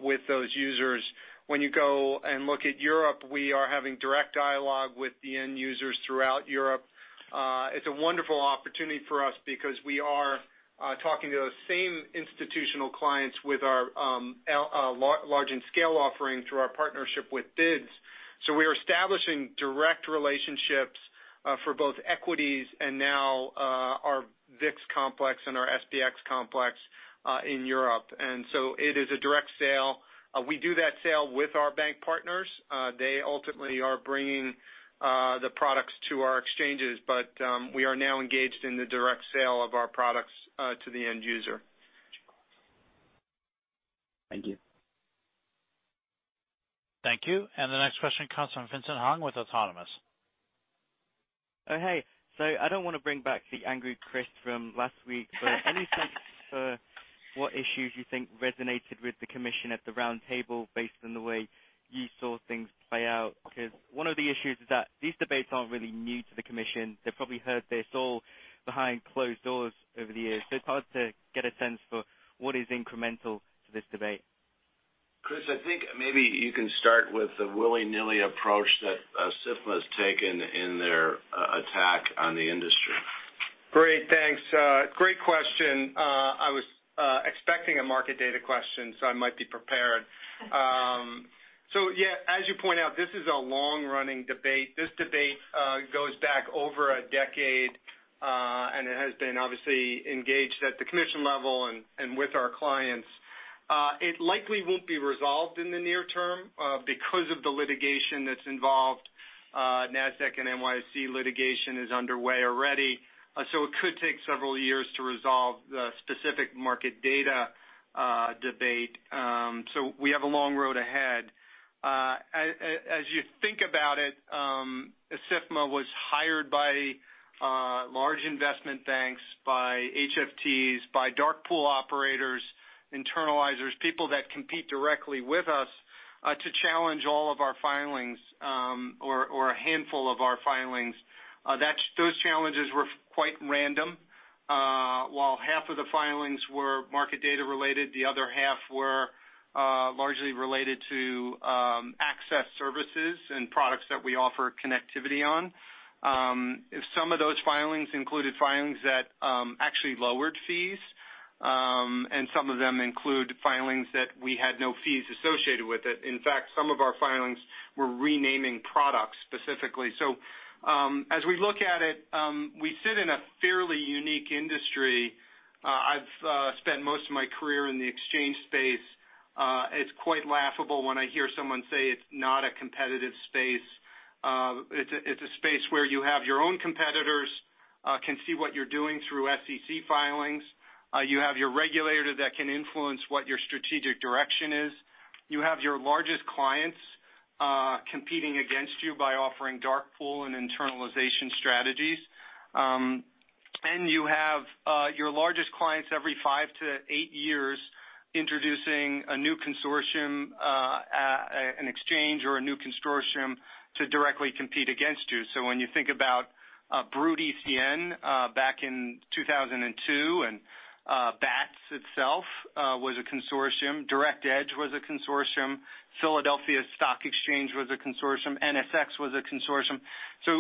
S7: with those users. When you go and look at Europe, we are having direct dialogue with the end users throughout Europe. It's a wonderful opportunity for us because we are talking to those same institutional clients with our large and scale offering through our partnership with BIDS. We are establishing direct relationships for both equities and now our VIX complex and our SPX complex in Europe. It is a direct sale. We do that sale with our bank partners. They ultimately are bringing the products to our exchanges, we are now engaged in the direct sale of our products to the end user.
S15: Thank you.
S1: Thank you. The next question comes from Vincent Hung with Autonomous.
S16: Oh, hey. I don't want to bring back the angry Chris from last week, any sense for what issues you think resonated with the Commission at the roundtable based on the way you saw things play out? One of the issues is that these debates aren't really new to the Commission. They've probably heard this all behind closed doors over the years, so it's hard to get a sense for what is incremental to this debate.
S9: Chris, I think maybe you can start with the willy-nilly approach that SIFMA's taken in their attack on the industry.
S7: Great. Thanks. Great question. I was expecting a market data question, I might be prepared. Yeah, as you point out, this is a long-running debate. This debate goes back over a decade, it has been obviously engaged at the Commission level and with our clients. It likely won't be resolved in the near term because of the litigation that's involved. Nasdaq and NYSE litigation is underway already, it could take several years to resolve the specific market data debate, we have a long road ahead. As you think about it, SIFMA was hired by large investment banks, by HFTs, by dark pool operators, internalizers, people that compete directly with us, to challenge all of our filings, or a handful of our filings. Those challenges were quite random. While half of the filings were market data related, the other half were largely related to access services and products that we offer connectivity on. Some of those filings included filings that actually lowered fees. Some of them include filings that we had no fees associated with it. In fact, some of our filings were renaming products specifically. As we look at it, we sit in a fairly unique industry. I've spent most of my career in the exchange space. It's quite laughable when I hear someone say it's not a competitive space. It's a space where you have your own competitors, can see what you're doing through SEC filings. You have your regulator that can influence what your strategic direction is. You have your largest clients competing against you by offering dark pool and internalization strategies. You have your largest clients every 5 to 8 years introducing a new consortium, an exchange, or a new consortium to directly compete against you. When you think about Brut ECN back in 2002, Bats itself was a consortium, Direct Edge was a consortium, Philadelphia Stock Exchange was a consortium, NSX was a consortium.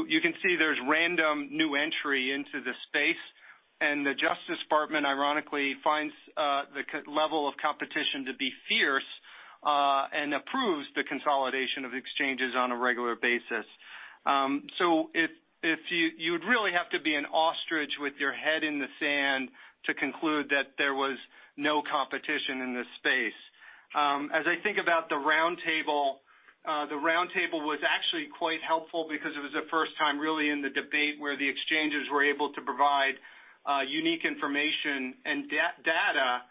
S7: You can see there's random new entry into the space, and the Justice Department ironically finds the level of competition to be fierce, and approves the consolidation of exchanges on a regular basis. You'd really have to be an ostrich with your head in the sand to conclude that there was no competition in this space. As I think about the roundtable, the roundtable was actually quite helpful because it was the first time really in the debate where the exchanges were able to provide unique information and data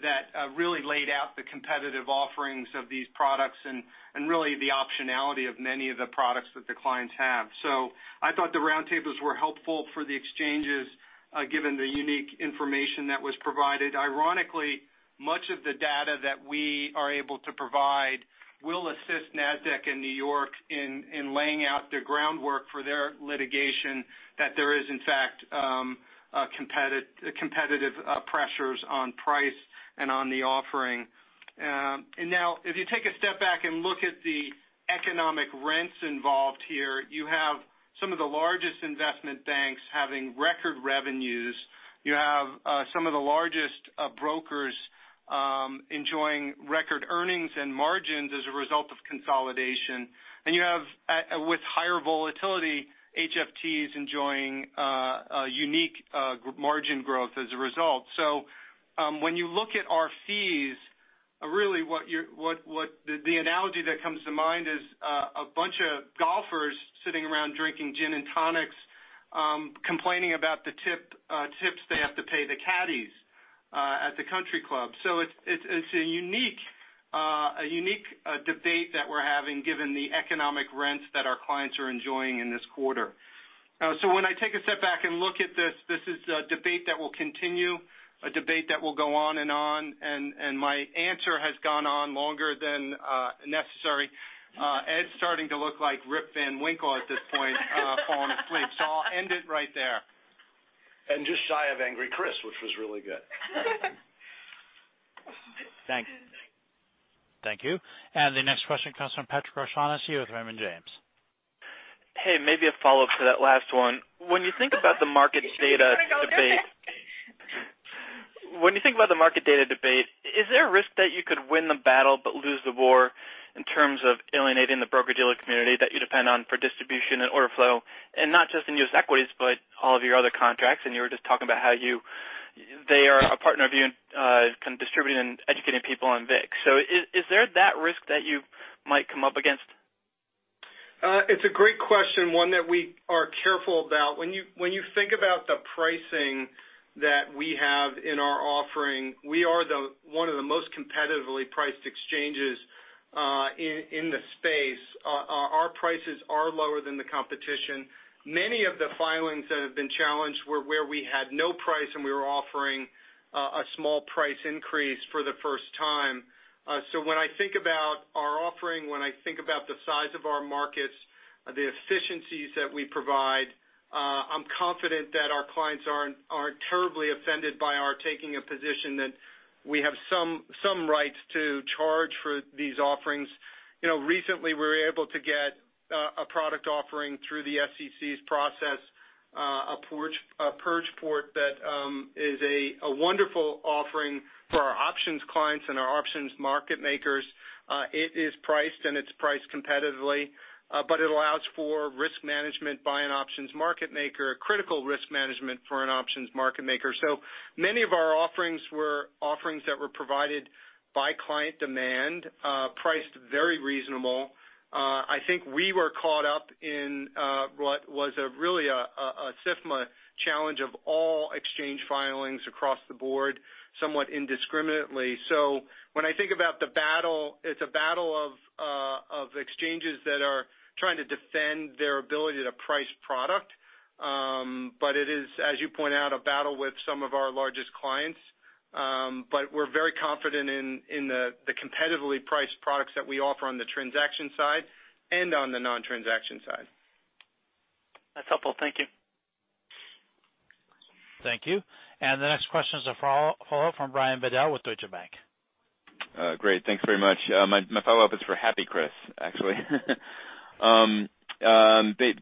S7: that really laid out the competitive offerings of these products and really the optionality of many of the products that the clients have. I thought the roundtables were helpful for the exchanges, given the unique information that was provided. Ironically, much of the data that we are able to provide will assist Nasdaq and New York in laying out their groundwork for their litigation that there is, in fact, competitive pressures on price and on the offering. Now, if you take a step back and look at the economic rents involved here, you have some of the largest investment banks having record revenues. You have some of the largest brokers enjoying record earnings and margins as a result of consolidation. You have, with higher volatility, HFTs enjoying a unique margin growth as a result. When you look at our fees, really, the analogy that comes to mind is a bunch of golfers sitting around drinking gin and tonics complaining about the tips they have to pay the caddies at the country club. It's a unique debate that we're having given the economic rents that our clients are enjoying in this quarter. When I take a step back and look at this is a debate that will continue, a debate that will go on and on, and my answer has gone on longer than necessary. Ed's starting to look like Rip Van Winkle at this point, falling asleep. I'll end it right there.
S16: Just shy of angry Chris, which was really good.
S7: Thanks.
S1: Thank you. The next question comes from Patrick O'Shaughnessy with Raymond James.
S17: Hey, maybe a follow-up to that last one. When you think about the market data debate, is there a risk that you could win the battle but lose the war in terms of alienating the broker-dealer community that you depend on for distribution and order flow? Not just in U.S. equities, but all of your other contracts, and you were just talking about how they are a partner of you in kind of distributing and educating people on VIX. Is there that risk that you might come up against?
S7: It's a great question, one that we are careful about. When you think about the pricing that we have in our offering, we are one of the most competitively priced exchanges in the space. Our prices are lower than the competition. Many of the filings that have been challenged were where we had no price, and we were offering a small price increase for the first time. When I think about our offering, when I think about the size of our markets, the efficiencies that we provide, I'm confident that our clients aren't terribly offended by our taking a position that we have some rights to charge for these offerings. Recently, we were able to get a product offering through the SEC's process, a Purge Port that is a wonderful offering for our options clients and our options market makers. It is priced, and it's priced competitively. It allows for risk management by an options market maker, critical risk management for an options market maker. Many of our offerings were offerings that were provided by client demand, priced very reasonable. I think we were caught up in what was really a SIFMA challenge of all exchange filings across the board somewhat indiscriminately. When I think about the battle, it's a battle of exchanges that are trying to defend their ability to price product. It is, as you point out, a battle with some of our largest clients. We're very confident in the competitively priced products that we offer on the transaction side and on the non-transaction side.
S17: That's helpful. Thank you.
S1: Thank you. The next question is a follow-up from Brian Bedell with Deutsche Bank.
S8: Great. Thanks very much. My follow-up is for happy Chris, actually.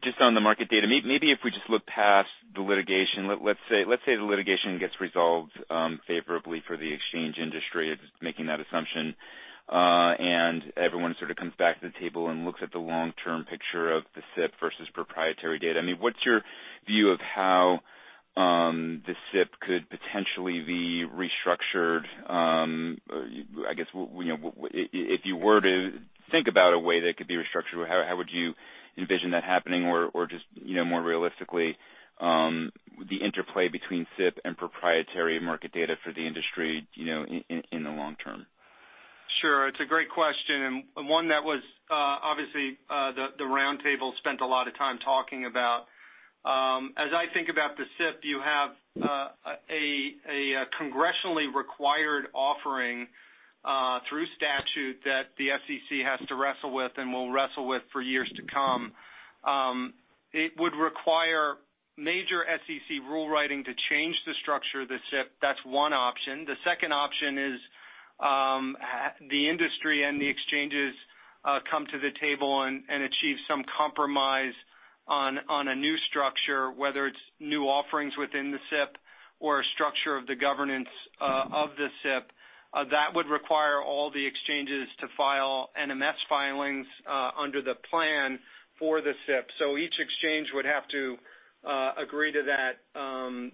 S8: Just on the market data, maybe if we just look past the litigation. Let's say the litigation gets resolved favorably for the exchange industry, just making that assumption, and everyone sort of comes back to the table and looks at the long-term picture of the SIP versus proprietary data. What's your view of how the SIP could potentially be restructured? I guess, if you were to think about a way that it could be restructured, how would you envision that happening? Or just more realistically, the interplay between SIP and proprietary market data for the industry in the long term?
S7: Sure. It's a great question. One that was obviously the roundtable spent a lot of time talking about. As I think about the SIP, you have a congressionally required offering through statute that the SEC has to wrestle with and will wrestle with for years to come. It would require major SEC rule writing to change the structure of the SIP. That's one option. The second option is the industry and the exchanges come to the table and achieve some compromise on a new structure, whether it's new offerings within the SIP or a structure of the governance of the SIP. That would require all the exchanges to file NMS filings under the plan for the SIP. Each exchange would have to agree to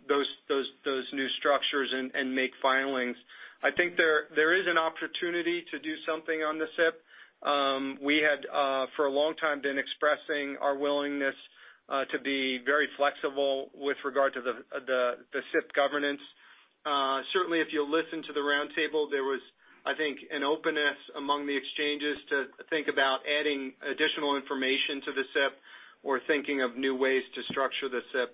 S7: those new structures and make filings. I think there is an opportunity to do something on the SIP. We had, for a long time, been expressing our willingness to be very flexible with regard to the SIP governance. Certainly, if you listen to the roundtable, there was, I think, an openness among the exchanges to think about adding additional information to the SIP or thinking of new ways to structure the SIP.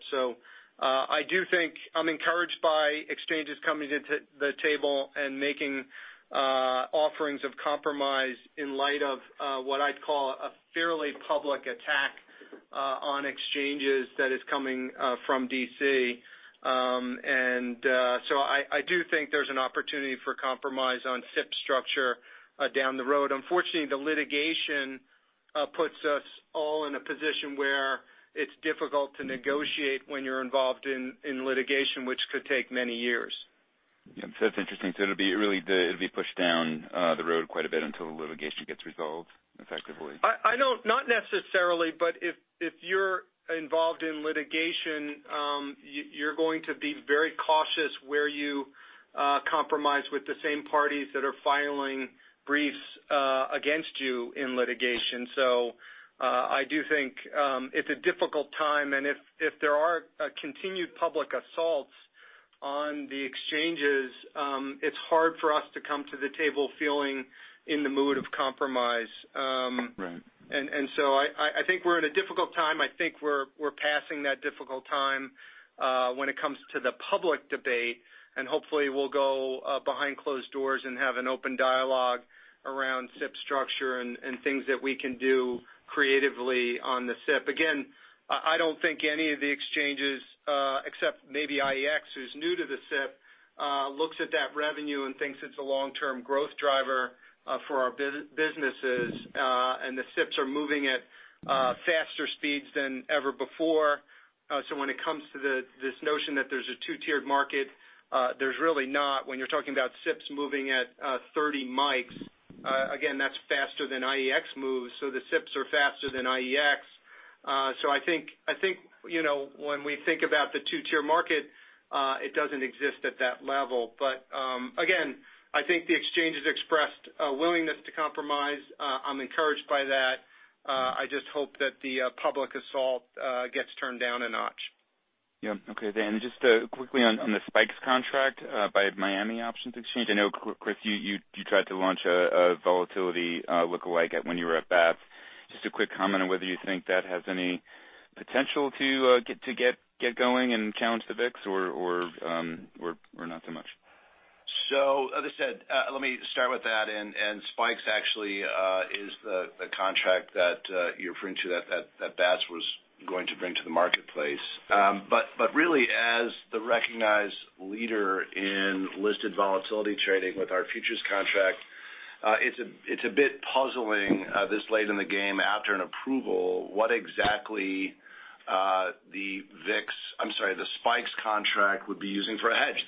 S7: I do think I'm encouraged by exchanges coming to the table and making offerings of compromise in light of what I'd call a fairly public attack on exchanges that is coming from D.C. I do think there's an opportunity for compromise on SIP structure down the road. Unfortunately, the litigation puts us all in a position where it's difficult to negotiate when you're involved in litigation, which could take many years.
S8: Yeah. That's interesting. It'll be pushed down the road quite a bit until the litigation gets resolved effectively.
S7: Not necessarily. If you're involved in litigation, you're going to be very cautious where you compromise with the same parties that are filing briefs against you in litigation. I do think it's a difficult time, and if there are continued public assaults on the exchanges, it's hard for us to come to the table feeling in the mood of compromise.
S8: Right.
S7: I think we're in a difficult time. I think we're passing that difficult time when it comes to the public debate, Hopefully we'll go behind closed doors and have an open dialogue around SIP structure and things that we can do creatively on the SIP. Again, I don't think any of the exchanges, except maybe IEX, who's new to the SIP, looks at that revenue and thinks it's a long-term growth driver for our businesses. The SIPs are moving at faster speeds than ever before. When it comes to this notion that there's a two-tiered market, there's really not when you're talking about SIPs moving at 30 mics. Again, that's faster than IEX moves, so the SIPs are faster than IEX. I think when we think about the two-tier market, it doesn't exist at that level. Again, I think the exchanges expressed a willingness to compromise. I'm encouraged by that. I just hope that the public assault gets turned down a notch.
S8: Yeah. Okay. Just quickly on the SPIKES contract by MIAX Options Exchange. I know, Chris, you tried to launch a volatility lookalike when you were at Bats. Just a quick comment on whether you think that has any potential to get going and challenge the VIX or not so much.
S3: As I said, let me start with that, SPIKES actually is the contract that you're referring to that Bats was going to bring to the marketplace. Really, as the recognized leader in listed volatility trading with our futures contract, it's a bit puzzling this late in the game after an approval, what exactly I'm sorry, the SPIKES contract would be using for a hedge.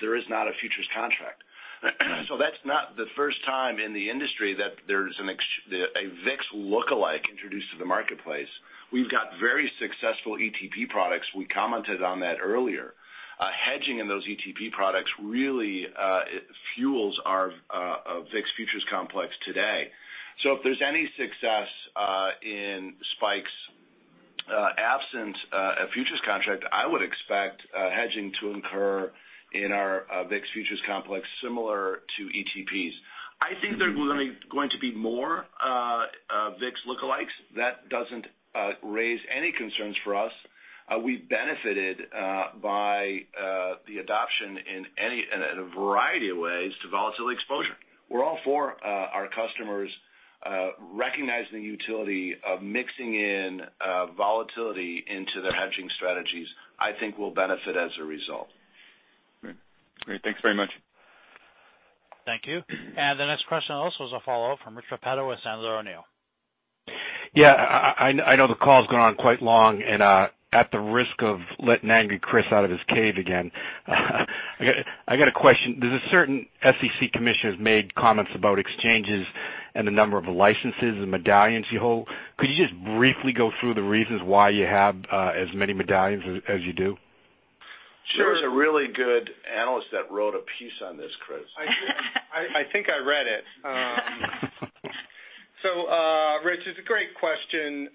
S3: There is not a futures contract. That's not the first time in the industry that there's a VIX lookalike introduced to the marketplace. We've got very successful ETP products. We commented on that earlier. Hedging in those ETP products really fuels our VIX futures complex today. If there's any success in SPIKES' absence of futures contract, I would expect hedging to incur in our VIX futures complex similar to ETPs. I think there's going to be more VIX lookalikes. That doesn't raise any concerns for us. We benefited by the adoption in a variety of ways to volatility exposure. We're all for our customers recognizing the utility of mixing in volatility into their hedging strategies, I think we'll benefit as a result.
S8: Great. Thanks very much.
S1: Thank you. The next question also is a follow-up from Rich Repetto with Sandler O'Neill.
S5: Yeah, I know the call's gone on quite long and at the risk of letting angry Chris out of his cave again, I got a question. There's a certain SEC commissioner who's made comments about exchanges and the number of licenses and medallions you hold. Could you just briefly go through the reasons why you have as many medallions as you do?
S3: There was a really good analyst that wrote a piece on this, Chris.
S7: I think I read it. Rich, it's a great question.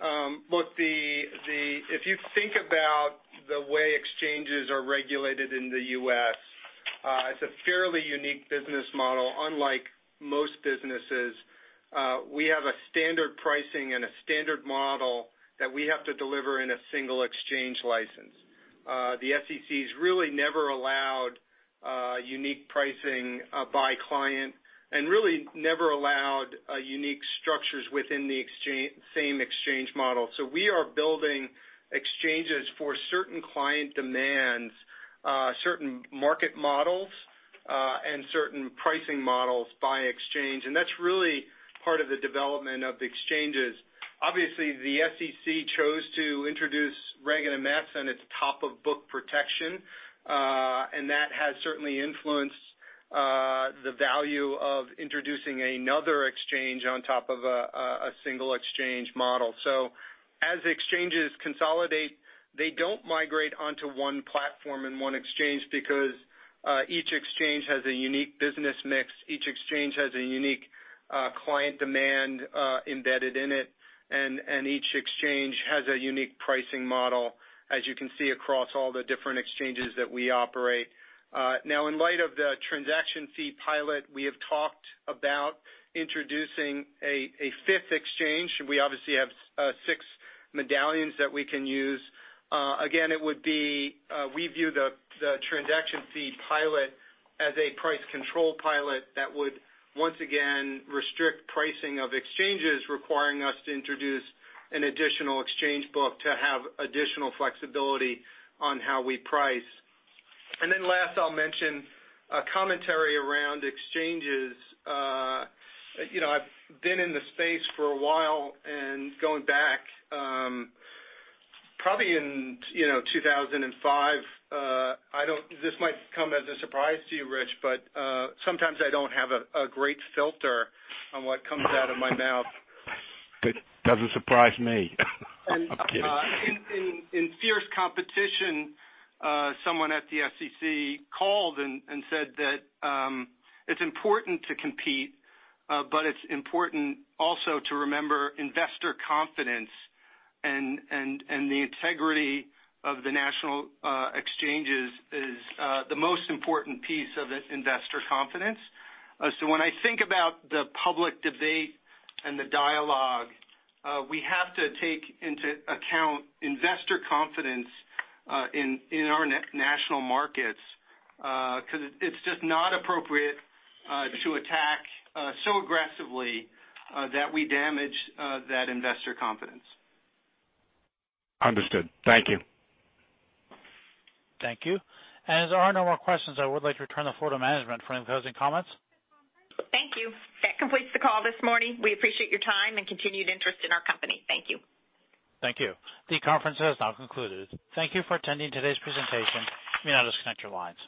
S7: Look, if you think about the way exchanges are regulated in the U.S., it's a fairly unique business model unlike most businesses. We have a standard pricing and a standard model that we have to deliver in a single exchange license. The SEC's really never allowed unique pricing by client and really never allowed unique structures within the same exchange model. We are building exchanges for certain client demands, certain market models, and certain pricing models by exchange. That's really part of the development of the exchanges. Obviously, the SEC chose to introduce Reg NMS and its top of book protection. That has certainly influenced the value of introducing another exchange on top of a single exchange model. As exchanges consolidate, they don't migrate onto one platform and one exchange because each exchange has a unique business mix. Each exchange has a unique client demand embedded in it, and each exchange has a unique pricing model, as you can see across all the different exchanges that we operate. Now, in light of the transaction fee pilot, we have talked about introducing a fifth exchange. We obviously have six medallions that we can use. Again, we view the transaction fee pilot as a price control pilot that would once again restrict pricing of exchanges, requiring us to introduce an additional exchange book to have additional flexibility on how we price. Last, I'll mention a commentary around exchanges.
S1: I've been in the space for a while, going back, probably in 2005, this might come as a surprise to you, Rich, sometimes I don't have a great filter on what comes out of my mouth.
S5: It doesn't surprise me. I'm kidding.
S7: In fierce competition, someone at the SEC called and said that it's important to compete, but it's important also to remember investor confidence and the integrity of the national exchanges is the most important piece of investor confidence. When I think about the public debate and the dialogue, we have to take into account investor confidence in our national markets, it's just not appropriate to attack so aggressively that we damage that investor confidence.
S5: Understood. Thank you.
S1: Thank you. As there are no more questions, I would like to return the floor to management for any closing comments.
S2: Thank you. That completes the call this morning. We appreciate your time and continued interest in our company. Thank you.
S1: Thank you. The conference has now concluded. Thank you for attending today's presentation. You may now disconnect your lines.